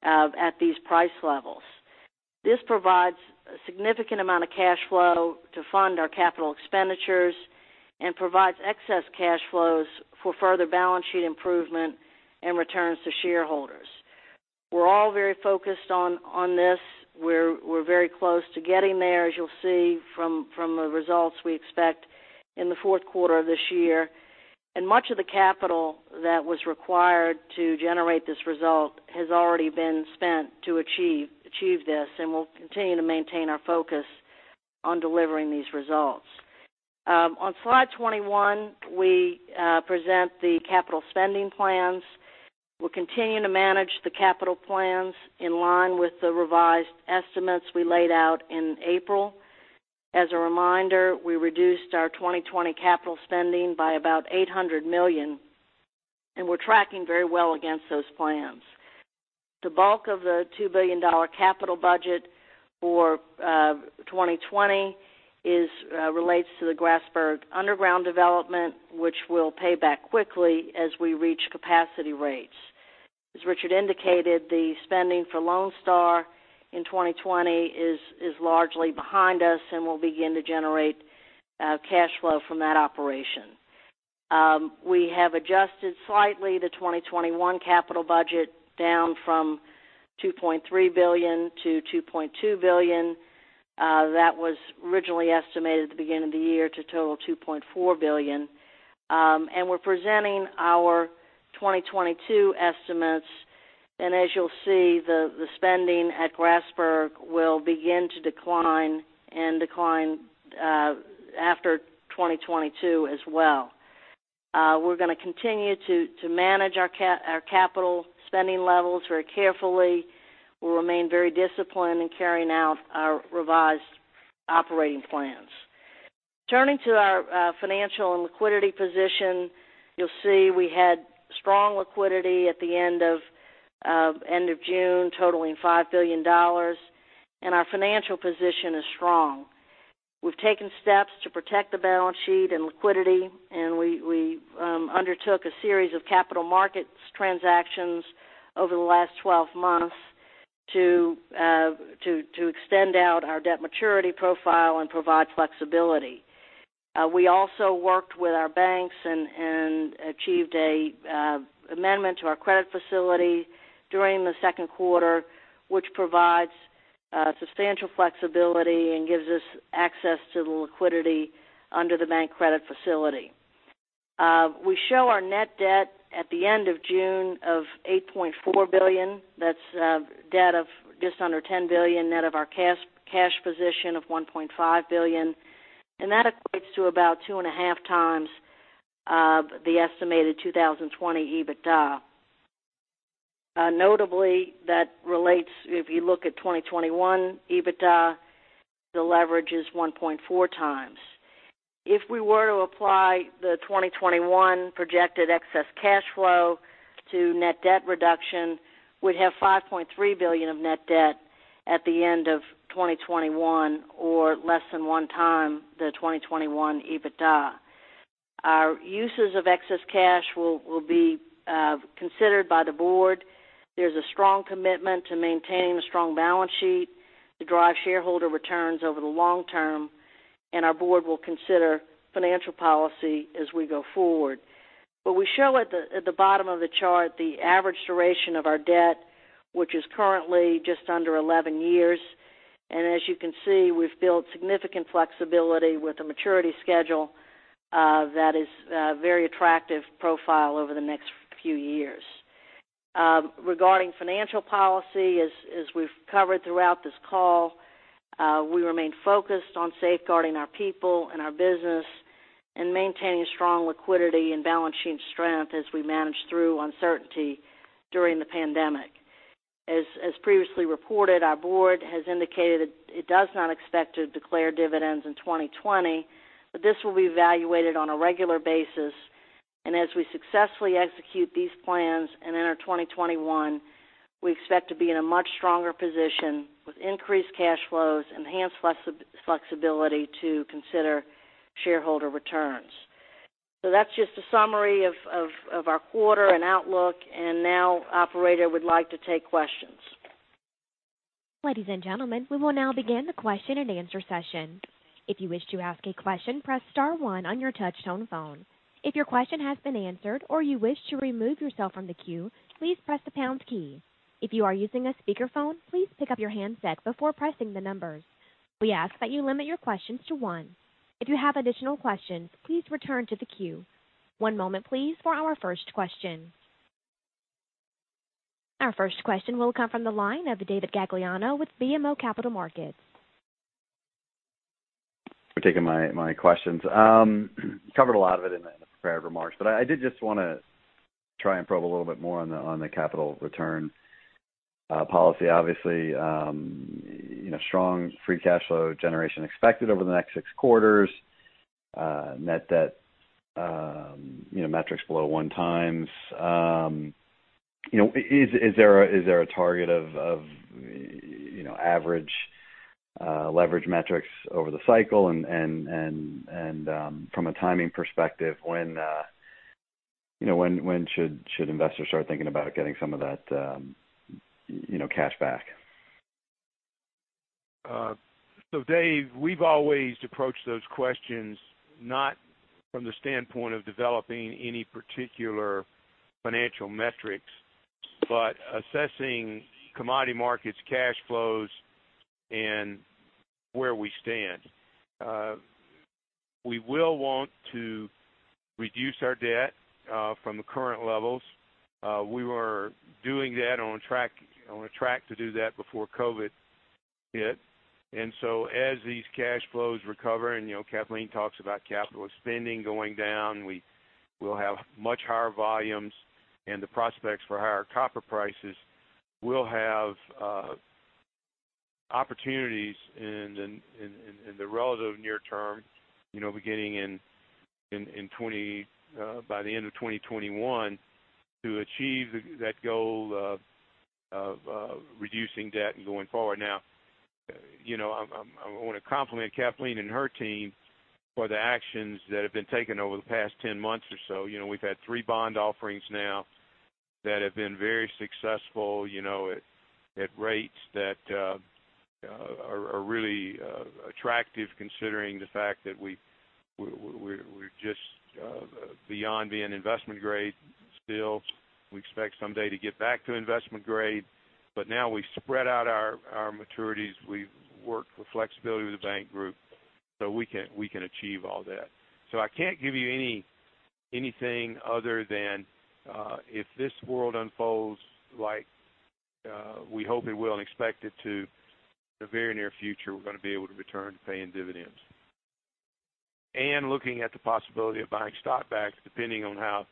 at these price levels. This provides a significant amount of cash flow to fund our capital expenditures and provides excess cash flows for further balance sheet improvement and returns to shareholders. We're all very focused on this. We're very close to getting there, as you'll see from the results we expect in the fourth quarter of this year. Much of the capital that was required to generate this result has already been spent to achieve this, and we'll continue to maintain our focus on delivering these results. On slide 21, we present the capital spending plans. We're continuing to manage the capital plans in line with the revised estimates we laid out in April. As a reminder, we reduced our 2020 capital spending by about $800 million, and we're tracking very well against those plans. The bulk of the $2 billion capital budget for 2020 relates to the Grasberg underground development, which will pay back quickly as we reach capacity rates. As Richard indicated, the spending for Lone Star in 2020 is largely behind us and will begin to generate cash flow from that operation. We have adjusted slightly the 2021 capital budget down from $2.3 billion-$2.2 billion. That was originally estimated at the beginning of the year to total $2.4 billion. We're presenting our 2022 estimates, and as you'll see, the spending at Grasberg will begin to decline and decline after 2022 as well. We're going to continue to manage our capital spending levels very carefully. We'll remain very disciplined in carrying out our revised operating plans. Turning to our financial and liquidity position, you'll see we had strong liquidity at the end of June, totaling $5 billion, and our financial position is strong. We've taken steps to protect the balance sheet and liquidity, and we undertook a series of capital markets transactions over the last 12 months to extend out our debt maturity profile and provide flexibility. We also worked with our banks and achieved an amendment to our credit facility during the second quarter, which provides substantial flexibility and gives us access to the liquidity under the bank credit facility. We show our net debt at the end of June of $8.4 billion. That's debt of just under $10 billion net of our cash position of $1.5 billion, and that equates to about 2.5x the estimated 2020 EBITDA. Notably, that relates, if you look at 2021 EBITDA, the leverage is 1.4x. If we were to apply the 2021 projected excess cash flow to net debt reduction, we'd have $5.3 billion of net debt at the end of 2021 or less than one time the 2021 EBITDA. Our uses of excess cash will be considered by the board. There's a strong commitment to maintaining a strong balance sheet to drive shareholder returns over the long term, and our board will consider financial policy as we go forward. We show at the bottom of the chart the average duration of our debt, which is currently just under 11 years. As you can see, we've built significant flexibility with a maturity schedule that is a very attractive profile over the next few years. Regarding financial policy, as we've covered throughout this call, we remain focused on safeguarding our people and our business and maintaining strong liquidity and balance sheet strength as we manage through uncertainty during the pandemic. As previously reported, our board has indicated it does not expect to declare dividends in 2020, but this will be evaluated on a regular basis. As we successfully execute these plans and enter 2021, we expect to be in a much stronger position with increased cash flows, enhanced flexibility to consider shareholder returns. That's just a summary of our quarter and outlook, and now, operator, we'd like to take questions. Ladies and gentlemen, we will now begin the question and answer session. If you wish to ask a question, press star one on your touch-tone phone. If your question has been answered or you wish to remove yourself from the queue, please press the pound key. If you are using a speakerphone, please pick up your handset before pressing the numbers. We ask that you limit your questions to one. If you have additional questions, please return to the queue. One moment, please, for our first question. Our first question will come from the line of David Gagliano with BMO Capital Markets. For taking my questions. I did just want to try and probe a little bit more on the capital return policy. Obviously, strong free cash flow generation expected over the next six quarters, net debt metrics below 1x. Is there a target of average leverage metrics over the cycle? From a timing perspective, when should investors start thinking about getting some of that cash back? Dave, we've always approached those questions not from the standpoint of developing any particular financial metrics, but assessing commodity markets, cash flows, and where we stand. We will want to reduce our debt from the current levels. We were doing that on a track to do that before COVID-19 hit. As these cash flows recover, and Kathleen talks about capital spending going down, we'll have much higher volumes and the prospects for higher copper prices. We'll have opportunities in the relative near term, beginning by the end of 2021 to achieve that goal of reducing debt and going forward. Now, I want to compliment Kathleen and her team for the actions that have been taken over the past 10 months or so. We've had three bond offerings now that have been very successful, at rates that are really attractive, considering the fact that we're just beyond being investment grade still. We expect someday to get back to investment grade. Now we've spread out our maturities. We've worked with flexibility with the bank group so we can achieve all that. I can't give you anything other than if this world unfolds like we hope it will and expect it to, in the very near future, we're going to be able to return to paying dividends. Looking at the possibility of buying stock back, depending on how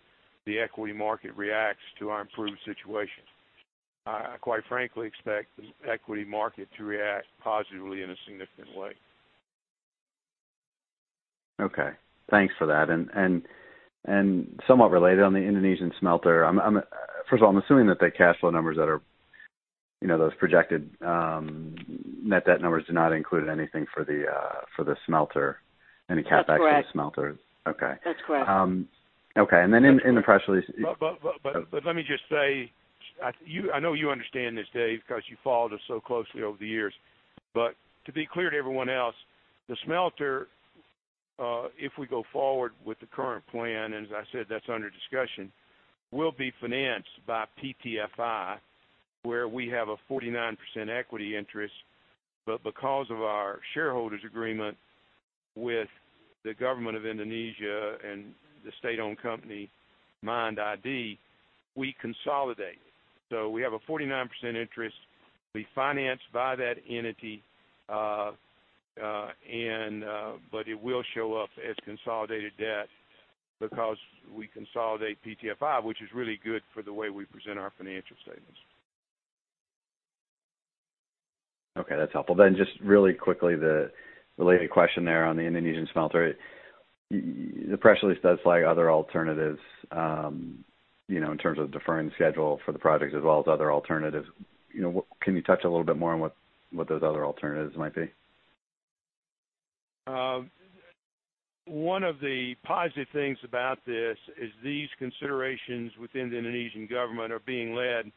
the equity market reacts to our improved situation. I quite frankly expect the equity market to react positively in a significant way. Okay. Thanks for that. Somewhat related on the Indonesian smelter, first of all, I'm assuming that the cash flow numbers, those projected net debt numbers do not include anything for the smelter. That's correct. Any cap back to the smelter. Okay. That's correct. Okay. And then in the press release. But, let me just say, I know you understand this, Dave, because you followed us so closely over the years. To be clear to everyone else, the smelter, if we go forward with the current plan, and as I said, that's under discussion, will be financed by PTFI, where we have a 49% equity interest. Because of our shareholders' agreement with the government of Indonesia and the state-owned company, MIND ID, we consolidate. We have a 49% interest. We finance via that entity, but it will show up as consolidated debt because we consolidate PTFI, which is really good for the way we present our financial statements. Okay, that's helpful. Just really quickly, the related question there on the Indonesian smelter. The press release does flag other alternatives, in terms of deferring schedule for the project as well as other alternatives. Can you touch a little bit more on what those other alternatives might be? One of the positive things about this is these considerations within the Indonesian government are being led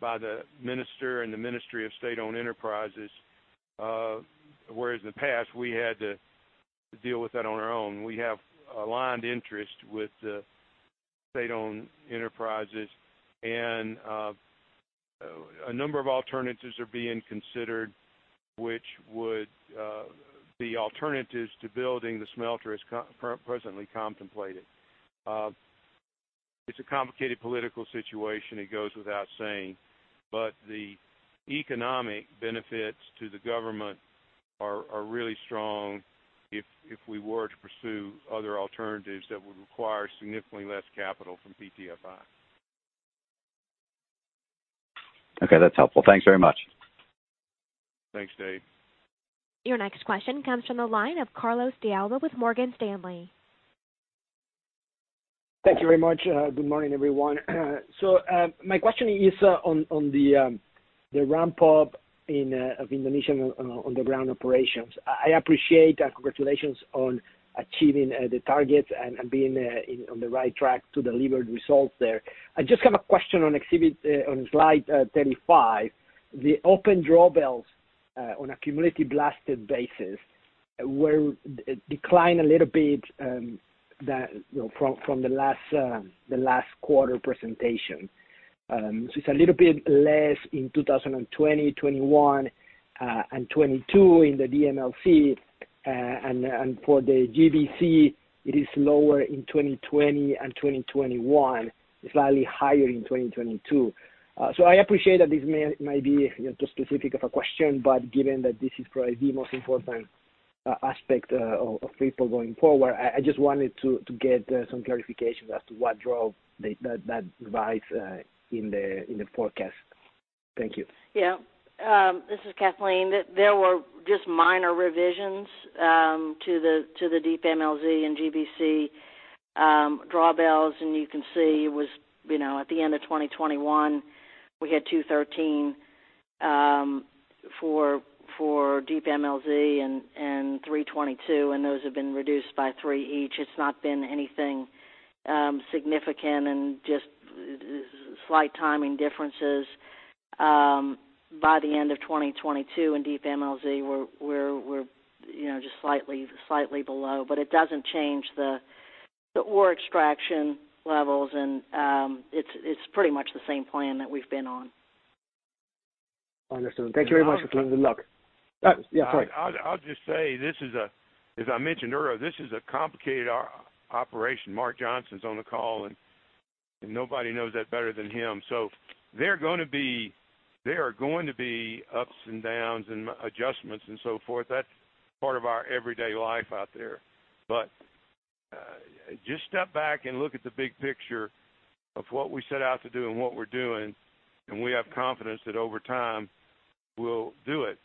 by the minister and the Ministry of State-Owned Enterprises. Whereas in the past, we had to deal with that on our own. We have aligned interest with the state-owned enterprises, and a number of alternatives are being considered, which would be alternatives to building the smelter as presently contemplated. It's a complicated political situation, it goes without saying, but the economic benefits to the government are really strong if we were to pursue other alternatives that would require significantly less capital from PTFI. Okay, that's helpful. Thanks very much. Thanks, Dave. Your next question comes from the line of Carlos de Alba with Morgan Stanley. Thank you very much. Good morning, everyone. My question is on the ramp-up of Indonesia on the ground operations. I appreciate, and congratulations on achieving the targets and being on the right track to deliver results there. I just have a question on exhibit on slide 35. The open drawbells on a cumulative blasted basis declined a little bit from the last quarter presentation. It's a little bit less in 2020, 2021, and 2022 in the DMLZ. For the GBC, it is lower in 2020 and 2021, slightly higher in 2022. I appreciate that this may be too specific of a question, but given that this is probably the most important aspect of Freeport going forward, I just wanted to get some clarification as to what drove that rise in the forecast. Thank you. This is Kathleen. There were just minor revisions to the DMLZ and GBC drawbells. You can see, you know, at the end of 2021, we had 213 for DMLZ and 322. Those have been reduced by three each. It's not been anything significant and just slight timing differences. By the end of 2022 in DMLZ, we're just slightly below. It doesn't change the ore extraction levels. It's pretty much the same plan that we've been on. Understood. Thank you very much, Kathleen. Good luck. Yeah, sorry. I'll just say, as I mentioned earlier, this is a complicated operation. Mark Johnson's on the call, and nobody knows that better than him. There are going to be ups and downs and adjustments and so forth. That's part of our everyday life out there. Just step back and look at the big picture of what we set out to do and what we're doing, and we have confidence that over time, we'll do it.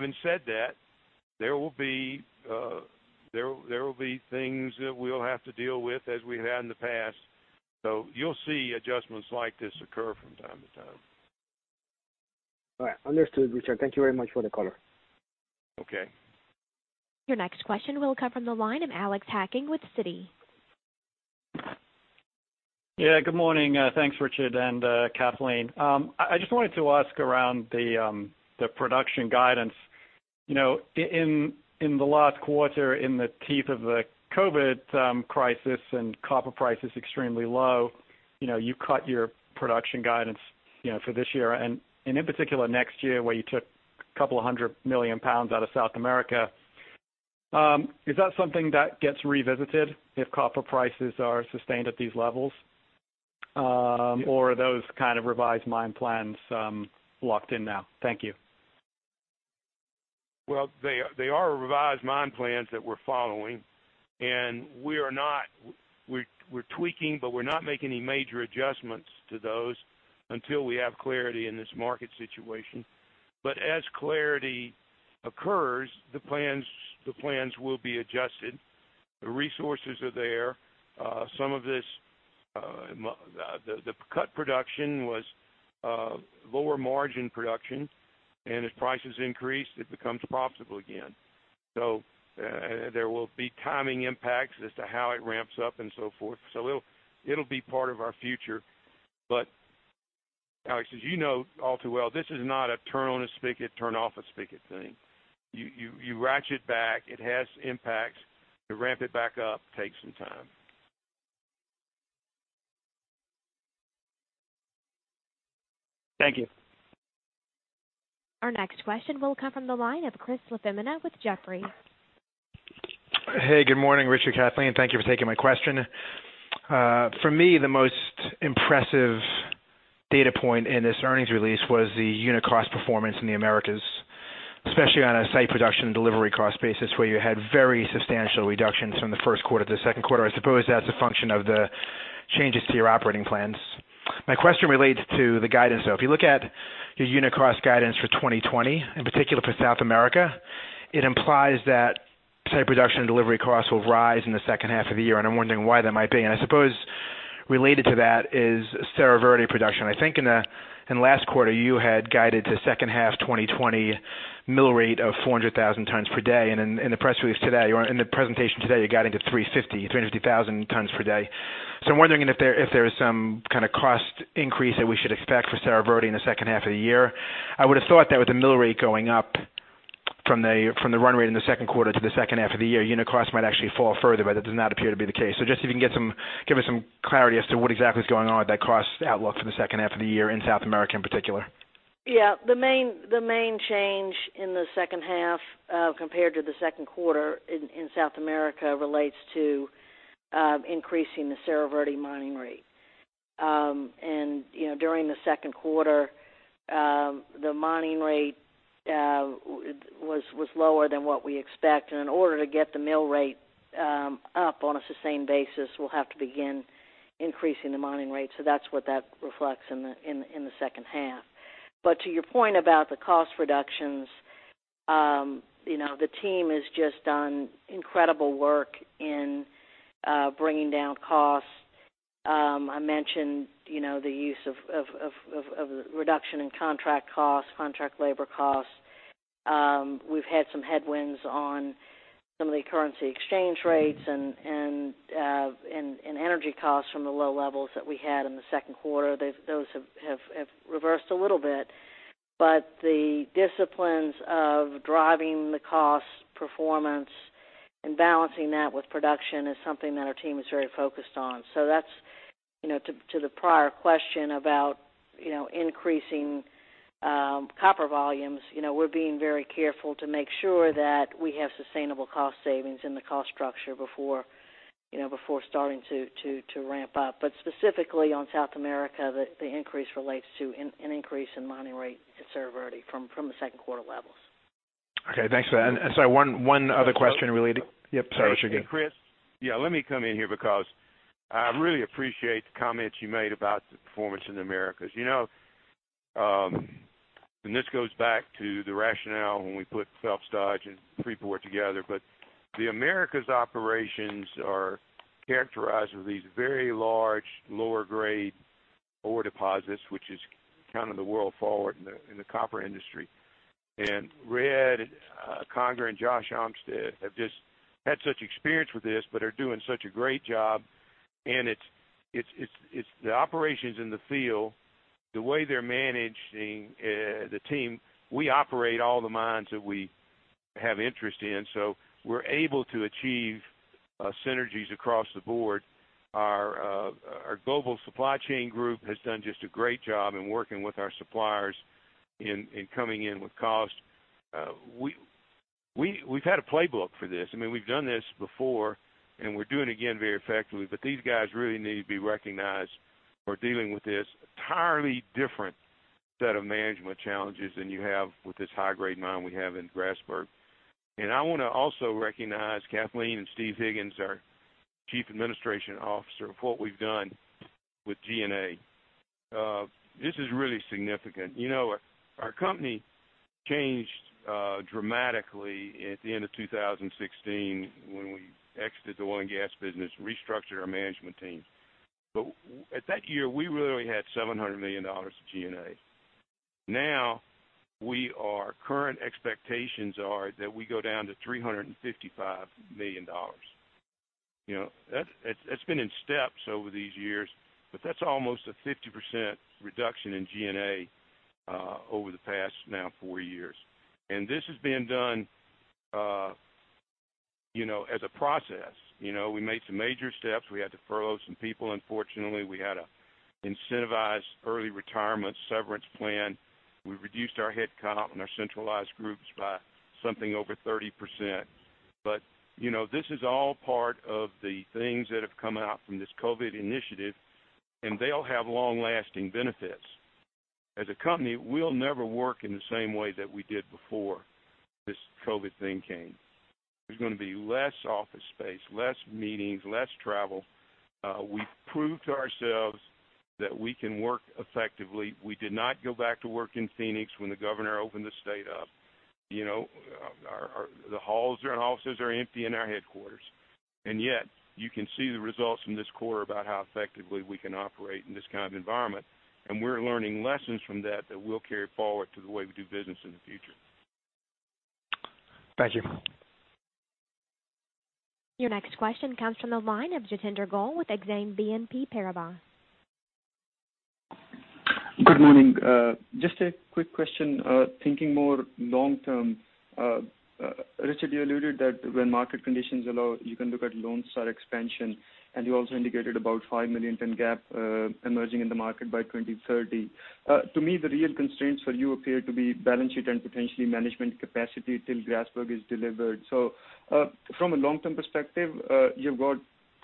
Having said that, there will be things that we'll have to deal with as we have in the past. You'll see adjustments like this occur from time to time. All right. Understood, Richard. Thank you very much for the color. Okay. Your next question will come from the line of Alex Hacking with Citi. Yeah, good morning. Thanks, Richard and Kathleen. I just wanted to ask around the production guidance. You know, in the last quarter, in the teeth of the COVID-19 crisis and copper prices extremely low, you know, you cut your production guidance, you know, for this year and, in particular, next year, where you took a couple of hundred million pounds out of South America. Is that something that gets revisited if copper prices are sustained at these levels? Or are those kind of revised mine plans locked in now? Thank you. They are revised mine plans that we're following, and we're tweaking, but we're not making any major adjustments to those until we have clarity in this market situation. As clarity occurs, the plans will be adjusted. The resources are there. Some of the cut production was lower margin production, and as prices increase, it becomes profitable again. There will be timing impacts as to how it ramps up and so forth. It'll be part of our future. Alex, as you know all too well, this is not a turn on a spigot, turn off a spigot thing. You ratchet back, it has impacts. To ramp it back up takes some time. Thank you. Our next question will come from the line of Chris LaFemina with Jefferies. Hey, good morning, Richard, Kathleen. Thank you for taking my question. For me, the most impressive data point in this earnings release was the unit cost performance in the Americas, especially on a site production delivery cost basis, where you had very substantial reductions from the first quarter to the second quarter? I suppose that's a function of the changes to your operating plans. My question relates to the guidance, though. If you look at your unit cost guidance for 2020, in particular for South America, it implies that site production and delivery costs will rise in the second half of the year, and I'm wondering why that might be? I suppose related to that is Cerro Verde production. I think in the last quarter, you had guided the second half 2020 mill rate of 400,000 tons per day. In the presentation today, you guided to 350,000 tons per day. I'm wondering if there is some kind of cost increase that we should expect for Cerro Verde in the second half of the year? I would have thought that with the mill rate going up from the run rate in the second quarter to the second half of the year, unit costs might actually fall further, but that does not appear to be the case. Just if you can give us some clarity as to what exactly is going on with that cost outlook for the second half of the year in South America in particular? Yeah. The main change in the second half compared to the second quarter in South America relates to increasing the Cerro Verde mining rate. During the second quarter, the mining rate was lower than what we expect. In order to get the mill rate up on a sustained basis, we'll have to begin increasing the mining rate. That's what that reflects in the second half. But to your point about the cost reductions, the team has just done incredible work in bringing down costs. I mentioned, you know, the use of reduction in contract costs, contract labor costs. We've had some headwinds on some of the currency exchange rates and energy costs from the low levels that we had in the second quarter. Those have reversed a little bit. But the disciplines of driving the cost performance and balancing that with production is something that our team is very focused on. To the prior question about, you know, increasing copper volumes, we're being very careful to make sure that we have sustainable cost savings in the cost structure before starting to ramp up. Specifically on South America, the increase relates to an increase in mining rate at Cerro Verde from the second quarter levels. Okay, thanks for that. Sorry, one other question. So— Yep, sorry, Richard. Hey, Chris. Yeah, let me come in here because I really appreciate the comments you made about the performance in the Americas. This goes back to the rationale when we put Phelps Dodge and Freeport together. The Americas operations are characterized with these very large lower grade ore deposits, which is kind of the world forward in the copper industry. Red Conger and Josh Olmsted have just had such experience with this, but are doing such a great job, and it's the operations in the field, the way they're managing the team. We operate all the mines that we have interest in, so we're able to achieve synergies across the board. Our global supply chain group has done just a great job in working with our suppliers in coming in with cost. We've had a playbook for this. We've done this before, and we're doing it again very effectively. These guys really need to be recognized for dealing with this entirely different set of management challenges than you have with this high-grade mine we have in Grasberg. I want to also recognize Kathleen and Steve Higgins, our Chief Administration Officer, of what we've done with G&A. This is really significant. Our company changed dramatically at the end of 2016 when we exited the oil and gas business, restructured our management team. At that year, we really only had $700 million of G&A. Now our current expectations are that we go down to $355 million. That's been in steps over these years, but that's almost a 50% reduction in G&A over the past now four years. This has been done, you know, as a process. You know, we made some major steps. We had to furlough some people, unfortunately. We had to incentivize early retirement severance plan. We reduced our headcount and our centralized groups by something over 30%. You know, this is all part of the things that have come out from this COVID initiative, and they'll have long-lasting benefits. As a company, we'll never work in the same way that we did before this COVID thing came. There's going to be less office space, less meetings, less travel. We've proved to ourselves that we can work effectively. We did not go back to work in Phoenix when the governor opened the state up. The halls and offices are empty in our headquarters. Yet, you can see the results from this quarter about how effectively we can operate in this kind of environment. We're learning lessons from that that we'll carry forward to the way we do business in the future. Thank you. Your next question comes from the line of Jatinder Goel with Exane BNP Paribas. Good morning. Just a quick question, thinking more long term. Richard, you alluded that when market conditions allow, you can look at Lone Star expansion, and you also indicated about 5 million ton gap emerging in the market by 2030. To me, the real constraints for you appear to be balance sheet and potentially management capacity till Grasberg is delivered. From a long-term perspective, you've got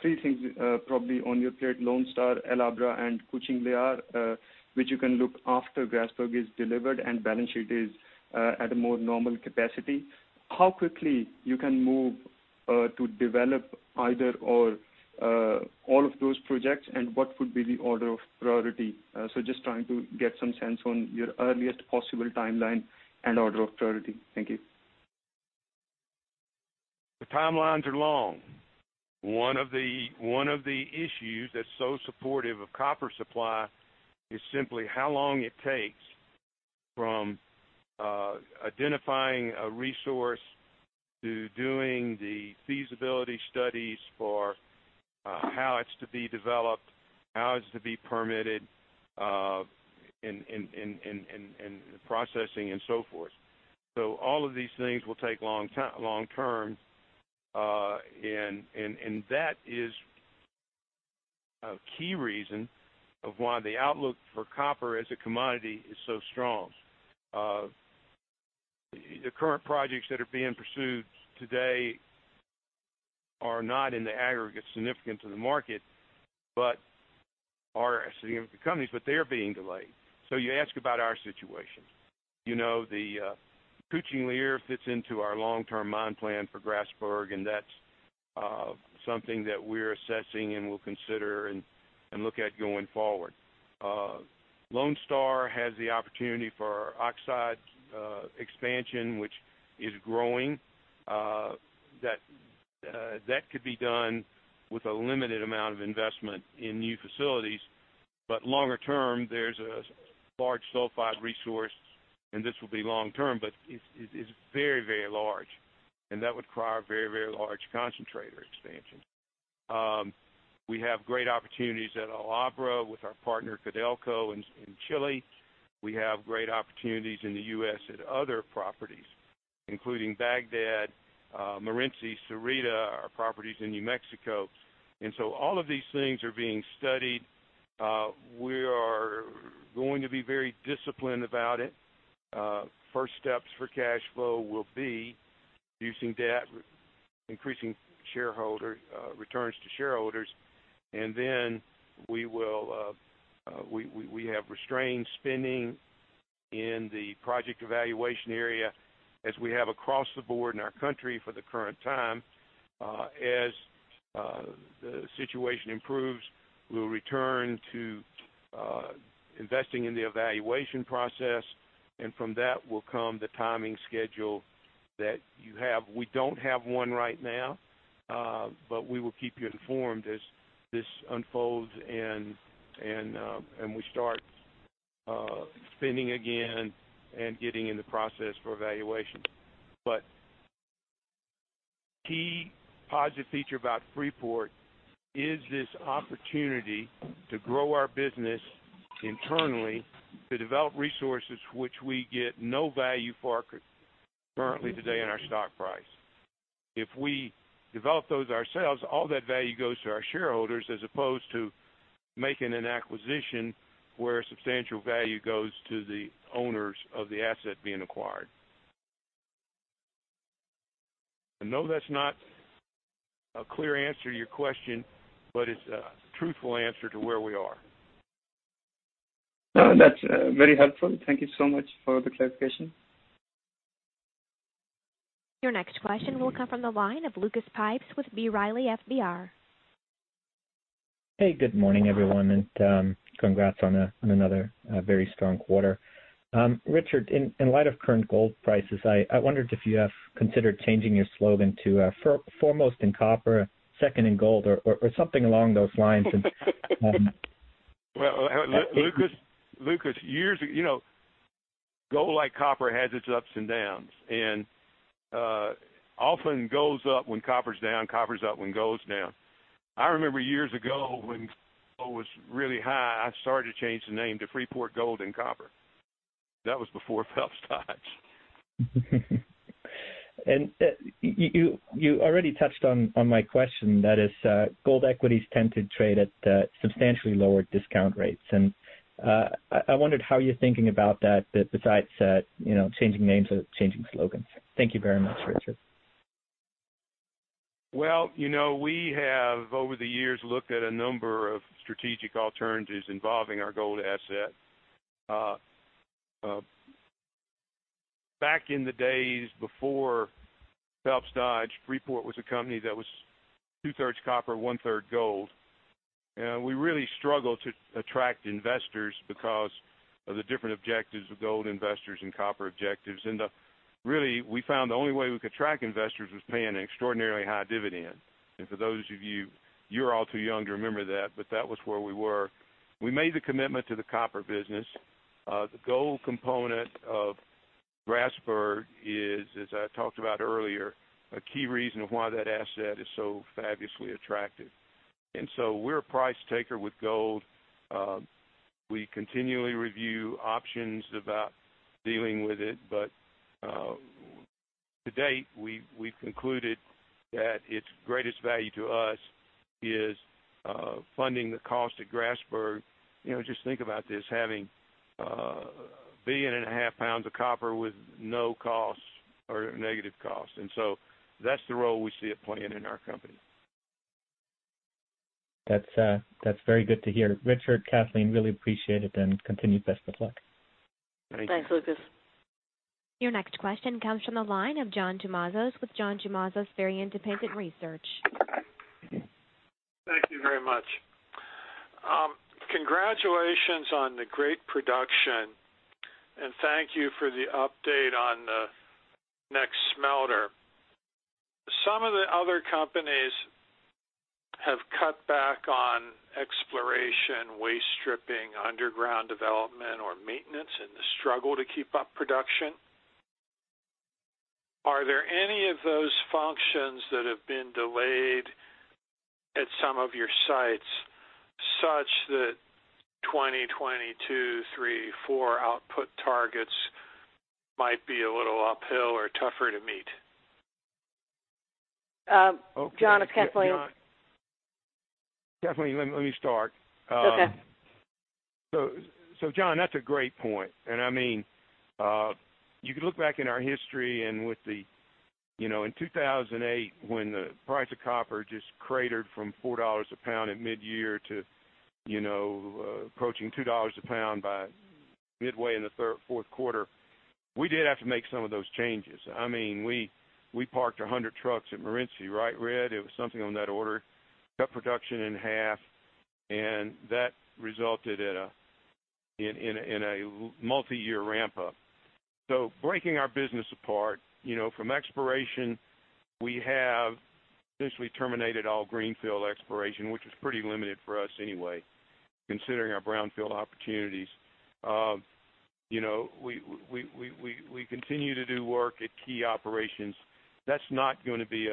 three things probably on your plate, Lone Star, El Abra, and Kucing Liar, which you can look after Grasberg is delivered and balance sheet is at a more normal capacity. How quickly you can move to develop either or all of those projects and what would be the order of priority? Just trying to get some sense on your earliest possible timeline and order of priority. Thank you. The timelines are long. One of the issues that's so supportive of copper supply is simply how long it takes from identifying a resource to doing the feasibility studies for how it's to be developed, how it's to be permitted, and processing and so forth. All of these things will take long term, and that is a key reason of why the outlook for copper as a commodity is so strong. The current projects that are being pursued today are not in the aggregate significant to the market, but are significant to companies, but they're being delayed. You ask about our situation. The Kucing Liar fits into our long-term mine plan for Grasberg, and that's something that we're assessing and will consider and look at going forward. Lone Star has the opportunity for our oxide expansion, which is growing. That could be done with a limited amount of investment in new facilities. Longer term, there's a large sulfide resource, and this will be long term, but it's very large, and that would require very large concentrator expansion. We have great opportunities at El Abra with our partner Codelco in Chile. We have great opportunities in the U.S. at other properties, including Bagdad, Morenci, Sierrita, our properties in New Mexico. All of these things are being studied. We are going to be very disciplined about it. First steps for cash flow will be reducing debt, increasing returns to shareholders, and then we have restrained spending in the project evaluation area as we have across the board in our country for the current time. As the situation improves, we'll return to investing in the evaluation process, and from that will come the timing schedule that you have. We don't have one right now, but we will keep you informed as this unfolds and we start spending again and getting in the process for evaluation. Key positive feature about Freeport is this opportunity to grow our business internally, to develop resources which we get no value for currently today in our stock price. If we develop those ourselves, all that value goes to our shareholders as opposed to making an acquisition where substantial value goes to the owners of the asset being acquired. I know that's not a clear answer to your question, but it's a truthful answer to where we are. No, that's very helpful. Thank you so much for the clarification. Your next question will come from the line of Lucas Pipes with B. Riley FBR. Hey, good morning, everyone, and congrats on another very strong quarter. Richard, in light of current gold prices, I wondered if you have considered changing your slogan to foremost in copper, second in gold, or something along those lines? Well, Lucas, gold, like copper, has its ups and downs, and often goes up when copper's down, copper's up when gold's down. I remember years ago when gold was really high, I started to change the name to Freeport Gold and Copper. That was before Phelps Dodge. You already touched on my question, that is gold equities tend to trade at substantially lower discount rates. I wondered how you're thinking about that besides, you know, changing names or changing slogans. Thank you very much, Richard. Well, we have, over the years, looked at a number of strategic alternatives involving our gold asset. Back in the days before Phelps Dodge, Freeport was a company that was 2/3 copper, 1/3 gold. We really struggled to attract investors because of the different objectives of gold investors and copper objectives. Really, we found the only way we could track investors was paying an extraordinarily high dividend. For those of you're all too young to remember that, but that was where we were. We made the commitment to the copper business. The gold component of Grasberg is, as I talked about earlier, a key reason of why that asset is so fabulously attractive. So we're a price taker with gold. We continually review options about dealing with it. To date, we've concluded that its greatest value to us is funding the cost of Grasberg. Just think about this, having 1.5 billion pounds of copper with no costs or negative costs. That's the role we see it playing in our company. That's very good to hear. Richard, Kathleen, really appreciate it and continued best of luck. Thank you. Thanks, Lucas. Your next question comes from the line of John Tumazos with John Tumazos Very Independent Research. Thank you very much. Congratulations on the great production. Thank you for the update on the next smelter. Some of the other companies have cut back on exploration, waste stripping, underground development, or maintenance in the struggle to keep up production. Are there any of those functions that have been delayed at some of your sites such that 2022, 2023, 2024 output targets might be a little uphill or tougher to meet? John. This is Kathleen. John. Kathleen, let me start. Okay. John, that's a great point. You could look back in our history and in 2008 when the price of copper just cratered from $4 a pound at mid-year to approaching $2 a pound by midway in the fourth quarter, we did have to make some of those changes. We parked 100 trucks at Morenci, right, Red? It was something on that order. Cut production in half and that resulted in a multi-year ramp-up. Breaking our business apart, from exploration, we have essentially terminated all greenfield exploration, which was pretty limited for us anyway, considering our brownfield opportunities. We continue to do work at key operations. That's not going to be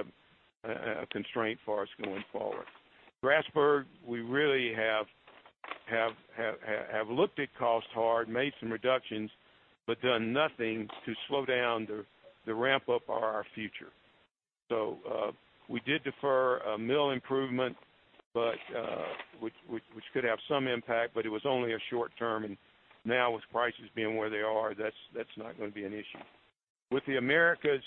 a constraint for us going forward. Grasberg, we really have looked at cost hard, made some reductions, but done nothing to slow down the ramp-up of our future. We did defer a mill improvement, which could have some impact, but it was only a short-term, and now with prices being where they are, that's not going to be an issue. With the Americas,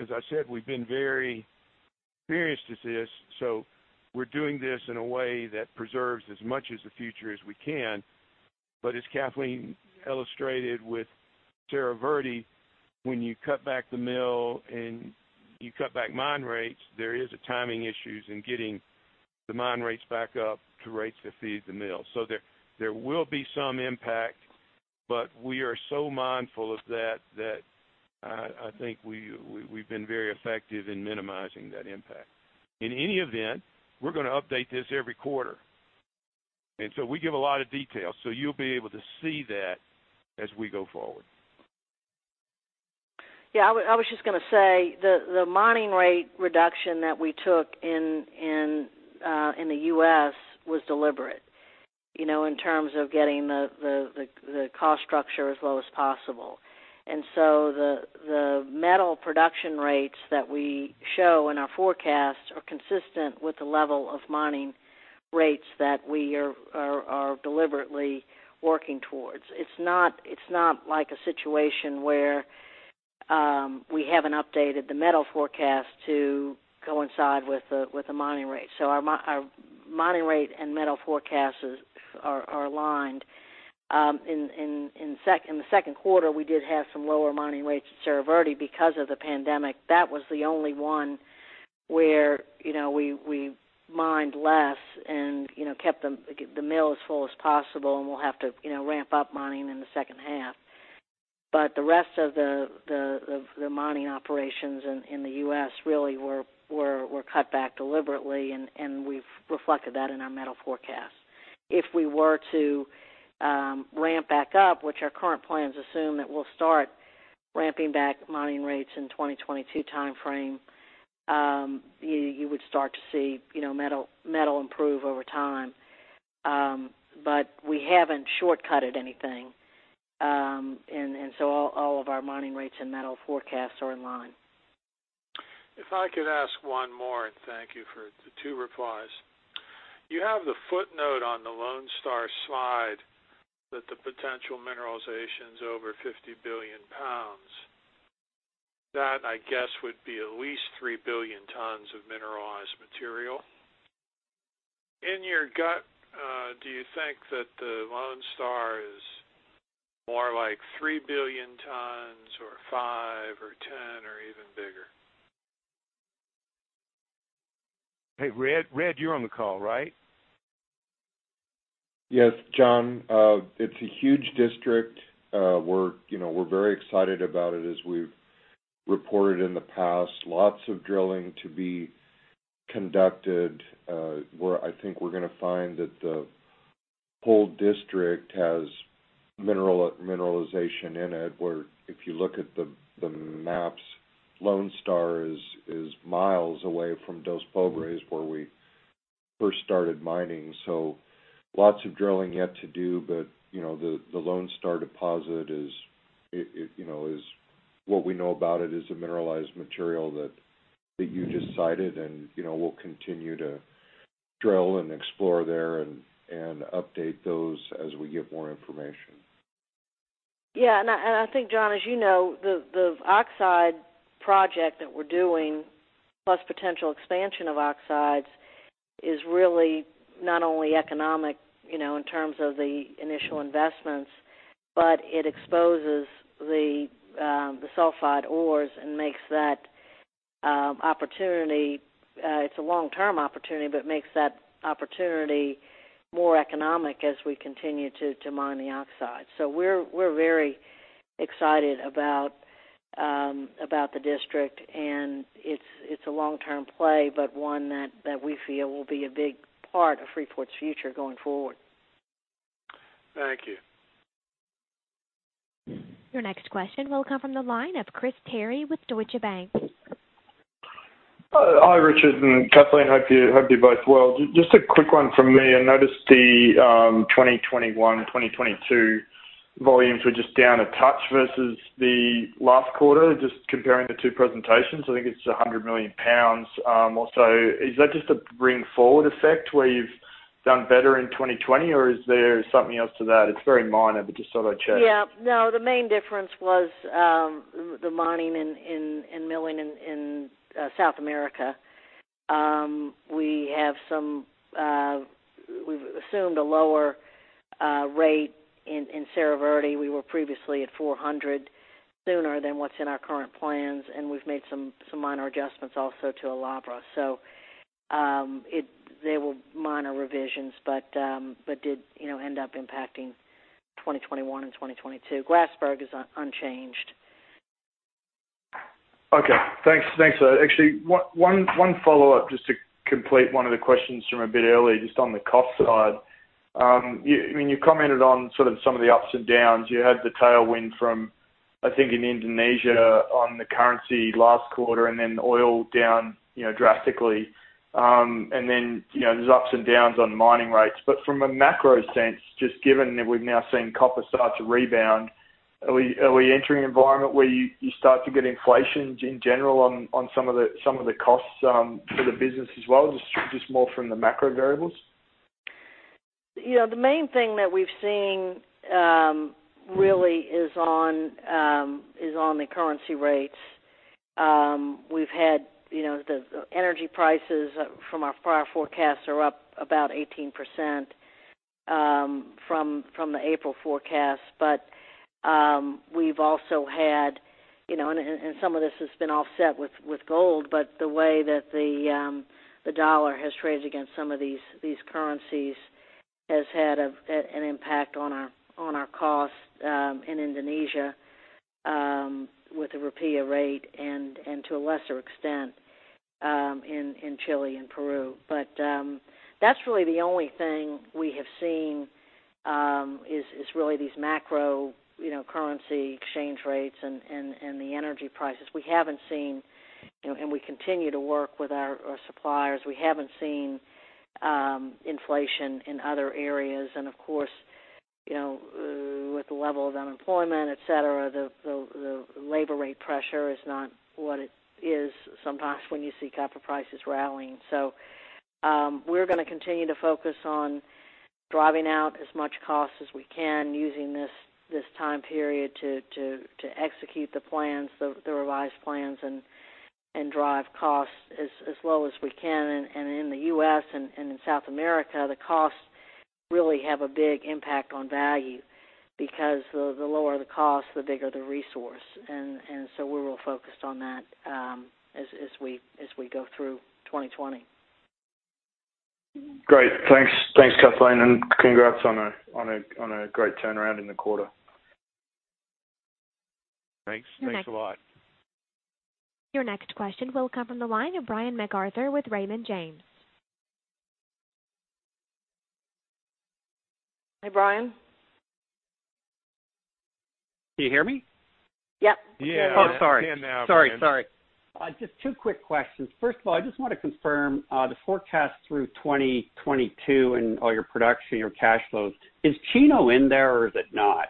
as I said, we've been very experienced at this, so we're doing this in a way that preserves as much as the future as we can. As Kathleen illustrated with Cerro Verde, when you cut back the mill and you cut back mine rates, there is timing issues in getting the mine rates back up to rates that feed the mill. There will be some impact, but we are so mindful of that I think we've been very effective in minimizing that impact. In any event, we're going to update this every quarter. We give a lot of detail, so you'll be able to see that as we go forward. Yeah, I was just going to say, the mining rate reduction that we took in the U.S. was deliberate, you know, in terms of getting the cost structure as low as possible. The metal production rates that we show in our forecast are consistent with the level of mining rates that we are deliberately working towards. It's not like a situation where we haven't updated the metal forecast to coincide with the mining rate. Our mining rate and metal forecasts are aligned. In the second quarter, we did have some lower mining rates at Cerro Verde because of the pandemic. That was the only one where we mined less and kept the mill as full as possible, and we'll have to ramp up mining in the second half. The rest of the mining operations in the U.S. really were cut back deliberately, and we've reflected that in our metal forecast. If we were to ramp back up, which our current plans assume that we'll start ramping back mining rates in 2022 timeframe, you would start to see metal improve over time. We haven't shortcutted anything. All of our mining rates and metal forecasts are in line. If I could ask one more, and thank you for the two replies. You have the footnote on the Lone Star slide that the potential mineralization's over 50 billion pounds. That, I guess, would be at least 3 billion tons of mineralized material. In your gut, do you think that the Lone Star is more like 3 billion tons or five or 10 or even bigger? Hey, Red. Red, you're on the call, right? Yes, John. It's a huge district. We're very excited about it as we've reported in the past. Lots of drilling to be conducted, where I think we're going to find that the whole district has mineralization in it, where if you look at the maps, Lone Star is miles away from Dos Pobres, where we first started mining. Lots of drilling yet to do, but the Lone Star deposit, what we know about it, is a mineralized material that you just cited, and we'll continue to drill and explore there and update those as we get more information. Yeah, and I think, John, as you know, the oxide project that we're doing, plus potential expansion of oxides, is really not only economic in terms of the initial investments, but it exposes the sulfide ores and makes that opportunity, it's a long-term opportunity, but makes that opportunity more economic as we continue to mine the oxide. We're very excited about the district, and it's a long-term play, but one that we feel will be a big part of Freeport's future going forward. Thank you. Your next question will come from the line of Chris Terry with Deutsche Bank. Hi, Richard and Kathleen. Hope you're both well. Just a quick one from me. I noticed the 2021, 2022 volumes were just down a touch versus the last quarter, just comparing the two presentations. I think it's 100 million pounds or so. Is that just a bring-forward effect where you've done better in 2020, or is there something else to that? It's very minor, but just thought I'd check. Yeah. No, the main difference was the mining and milling in South America. We've assumed a lower rate in Cerro Verde. We were previously at 400 sooner than what's in our current plans, and we've made some minor adjustments also to El Abra. So they were minor revisions but did, you know, end up impacting 2021 and 2022. Grasberg is unchanged Okay. Thanks. Actually, one follow-up, just to complete one of the questions from a bit earlier, just on the cost side. You commented on some of the ups and downs. You had the tailwind from, I think, in Indonesia on the currency last quarter, and then oil down, you know, drastically. There's ups and downs on mining rates. From a macro sense, just given that we've now seen copper start to rebound, are we entering an environment where you start to get inflation in general on some of the costs for the business as well, just more from the macro variables? The main thing that we've seen really is on the currency rates. We've had, you knoe the energy prices from our prior forecasts are up about 18% from the April forecast. We've also had, you know, and some of this has been offset with gold, but the way that the dollar has traded against some of these currencies has had an impact on our costs in Indonesia with the rupiah rate and to a lesser extent in Chile and Peru. That's really the only thing we have seen, is really these macro, you know, currency exchange rates and the energy prices. We continue to work with our suppliers. We haven't seen inflation in other areas, and of course, with the level of unemployment, et cetera, the labor rate pressure is not what it is sometimes when you see copper prices rallying. We're going to continue to focus on driving out as much cost as we can using this time period to execute the revised plans and drive costs as low as we can. In the U.S. and in South America, the costs really have a big impact on value because the lower the cost, the bigger the resource. We're real focused on that as we go through 2020. Great. Thanks, Kathleen, and congrats on a great turnaround in the quarter. Thanks a lot. Your next question will come from the line of Brian MacArthur with Raymond James. Hi, Brian. Can you hear me? Yep. Yeah. Oh, sorry. Can now. Sorry. Just two quick questions. First of all, I just want to confirm, the forecast through 2022 and all your production, your cash flows, is Chino in there or is it not?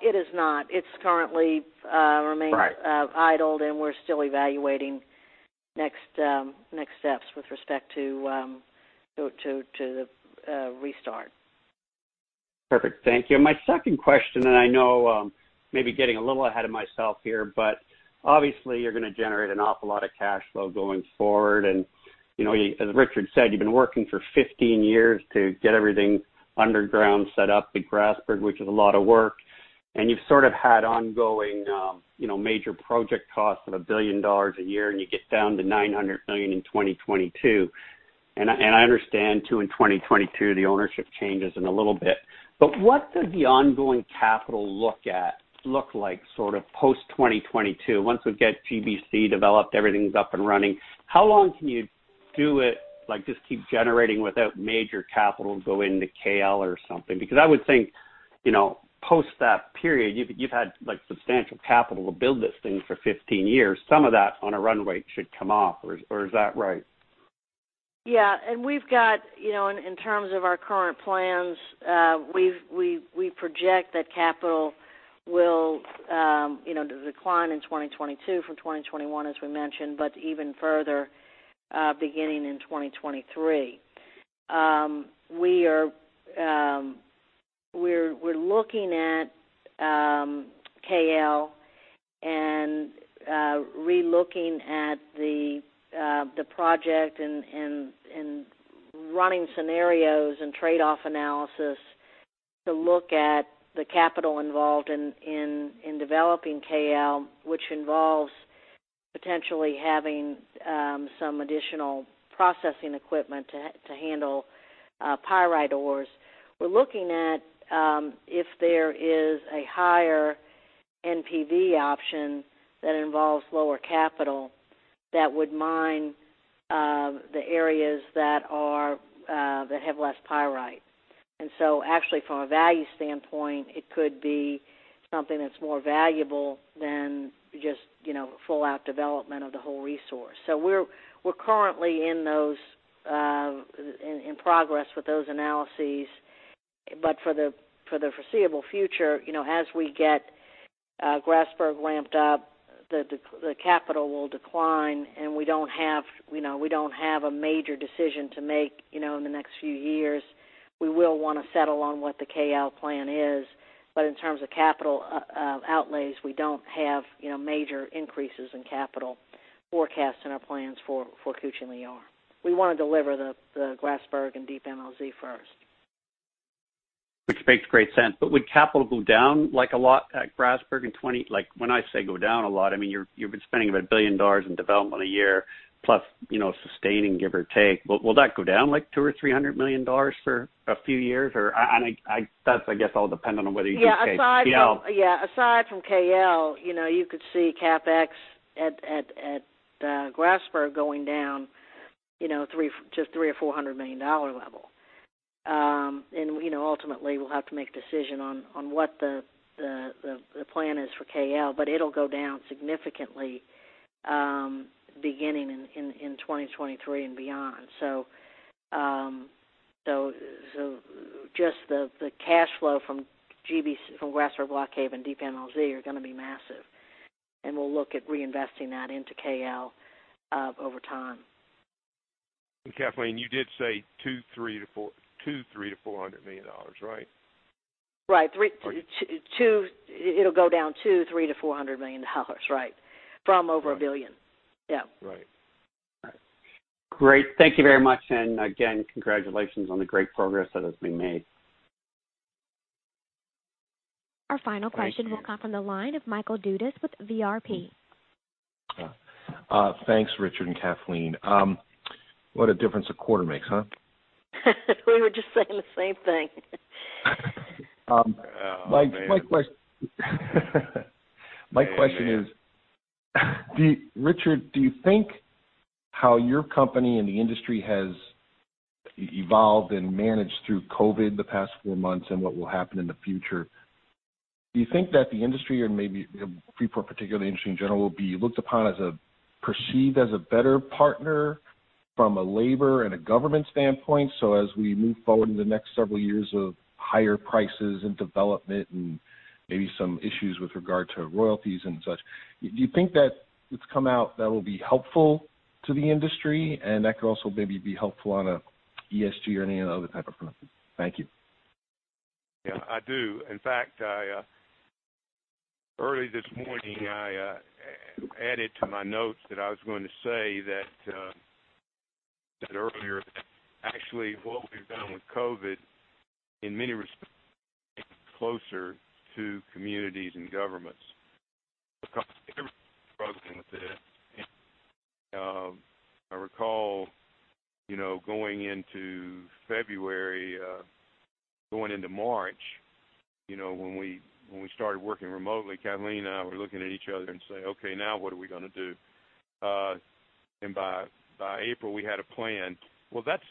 It is not. It's currently— Right. idled, and we're still evaluating next steps with respect to restart. Perfect. Thank you. My second question, I know maybe getting a little ahead of myself here, obviously you're going to generate an awful lot of cash flow going forward. As Richard said, you've been working for 15 years to get everything underground set up at Grasberg, which is a lot of work, you've sort of had ongoing major project costs of $1 billion a year, you get down to $900 million in 2022. And i understand, too, in 2022, the ownership changes in a little bit. What does the ongoing capital look like post-2022? Once we get GBC developed, everything's up and running, how long can you do it, just keep generating without major capital going to KL or something? I would think, post that period, you've had substantial capital to build this thing for 15 years. Some of that on a run rate should come off, or is that right? Yeah. We've got, in terms of our current plans, we project that capital will decline in 2022 from 2021, as we mentioned, but even further, beginning in 2023. We're looking at KL and re-looking at the project and running scenarios and trade-off analysis to look at the capital involved in developing KL, which involves potentially having some additional processing equipment to handle pyrite ores. We're looking at if there is a higher NPV option that involves lower capital that would mine the areas that have less pyrite. Actually from a value standpoint, it could be something that's more valuable than just full out development of the whole resource. We're currently in progress with those analysis. But for the foreseeable future, you know, as we get Grasberg ramped up, the capital will decline and we don't have a major decision to make in the next few years. We will want to settle on what the KL plan is. In terms of capital outlays, we don't have major increases in capital forecast in our plans for Kucing Liar. We want to deliver the Grasberg and Deep MLZ first. Which makes great sense. Would capital go down a lot at Grasberg when I say go down a lot, I mean, you've been spending about $1 billion in development a year, plus sustaining, give or take. Will that go down, like $200 million-$300 million for a few years? That's, I guess, all dependent on whether you do KL. Yeah. Aside from KL, you know, could see CapEx at Grasberg going down to $300 million-$400 million level. Ultimately, we'll have to make a decision on what the plan is for KL, but it'll go down significantly beginning in 2023 and beyond. Just the cash flow from Grasberg Block Cave, and Deep MLZ are going to be massive, and we'll look at reinvesting that into KL over time. Kathleen, you did say $200 million, $300 million-$400 million, right? Right. It'll go down to $300 million-$400 million, right. From over $1 billion. Yeah. Right. Great. Thank you very much. Again, congratulations on the great progress that has been made. Our final question will come from the line of Michael Dudas with [Vertical Research Partners]. Thanks, Richard and Kathleen. What a difference a quarter makes, huh? We were just saying the same thing. Yeah, man. My question is, Richard, do you think how your company and the industry has evolved and managed through COVID the past four months and what will happen in the future, do you think that the industry or maybe Freeport particularly, the industry in general, will be perceived as a better partner from a labor and a government standpoint? As we move forward in the next several years of higher prices and development and maybe some issues with regard to royalties and such, do you think that it's come out that will be helpful to the industry and that could also maybe be helpful on a ESG or any other type of front? Thank you. Yeah, I do. In fact, early this morning, I added to my notes that I was going to say that earlier, actually, what we've done with COVID-19, in many respects, came closer to communities and governments because everyone's struggling with this. I recall, you know, going into February, going into March, you know, when we started working remotely, Kathleen and I were looking at each other and saying: Okay, now what are we going to do? By April, we had a plan. Well, that's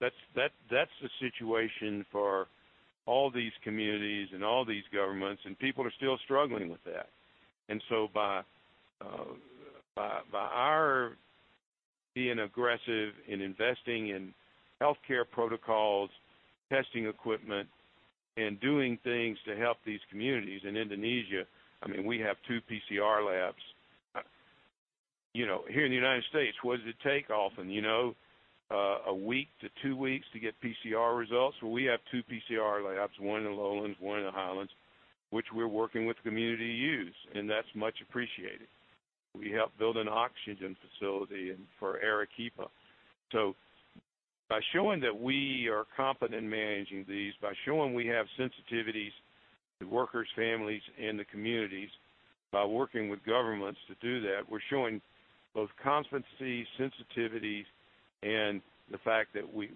the situation for all these communities and all these governments, and people are still struggling with that. By our being aggressive in investing in healthcare protocols, testing equipment, and doing things to help these communities. In Indonesia, we have two PCR labs. Here in the U.S., what does it take often? A week to two weeks to get PCR results? Well, we have two PCR labs, one in the lowlands, one in the highlands, which we're working with the community to use, and that's much appreciated. We helped build an oxygen facility for Arequipa. By showing that we are competent in managing these, by showing we have sensitivities to workers' families and the communities, by working with governments to do that, we're showing both competency, sensitivity, and the fact that we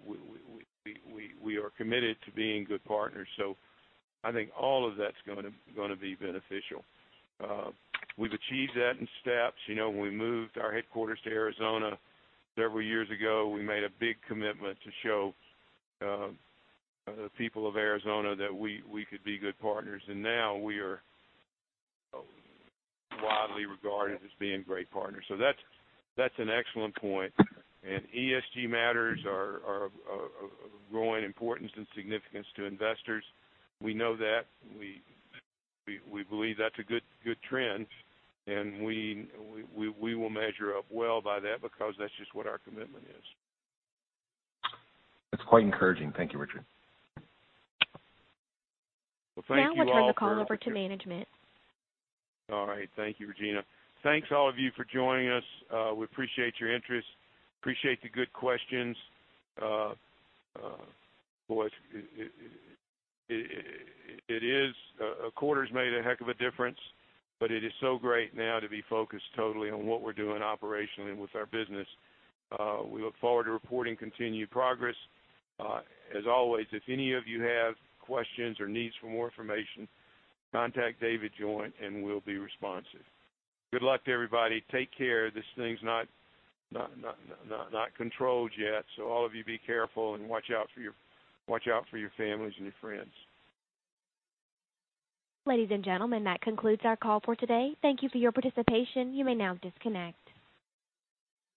are committed to being good partners. I think all of that's going to be beneficial. We've achieved that in steps. When we moved our headquarters to Arizona several years ago, we made a big commitment to show the people of Arizona that we could be good partners, and now we are widely regarded as being great partners. That's an excellent point. ESG matters are of growing importance and significance to investors. We know that. We believe that's a good trend, and we will measure up well by that because that's just what our commitment is. That's quite encouraging. Thank you, Richard. Well, thank you all. Now I'll turn the call over to management. All right. Thank you, Regina. Thanks, all of you, for joining us. We appreciate your interest. Appreciate the good questions. Boys, a quarter's made a heck of a difference, but it is so great now to be focused totally on what we're doing operationally with our business. We look forward to reporting continued progress. As always, if any of you have questions or needs for more information, contact David Jones, and we'll be responsive. Good luck to everybody. Take care. This thing's not controlled yet, so all of you be careful and watch out for your families and your friends. Ladies and gentlemen, that concludes our call for today. Thank you for your participation. You may now disconnect.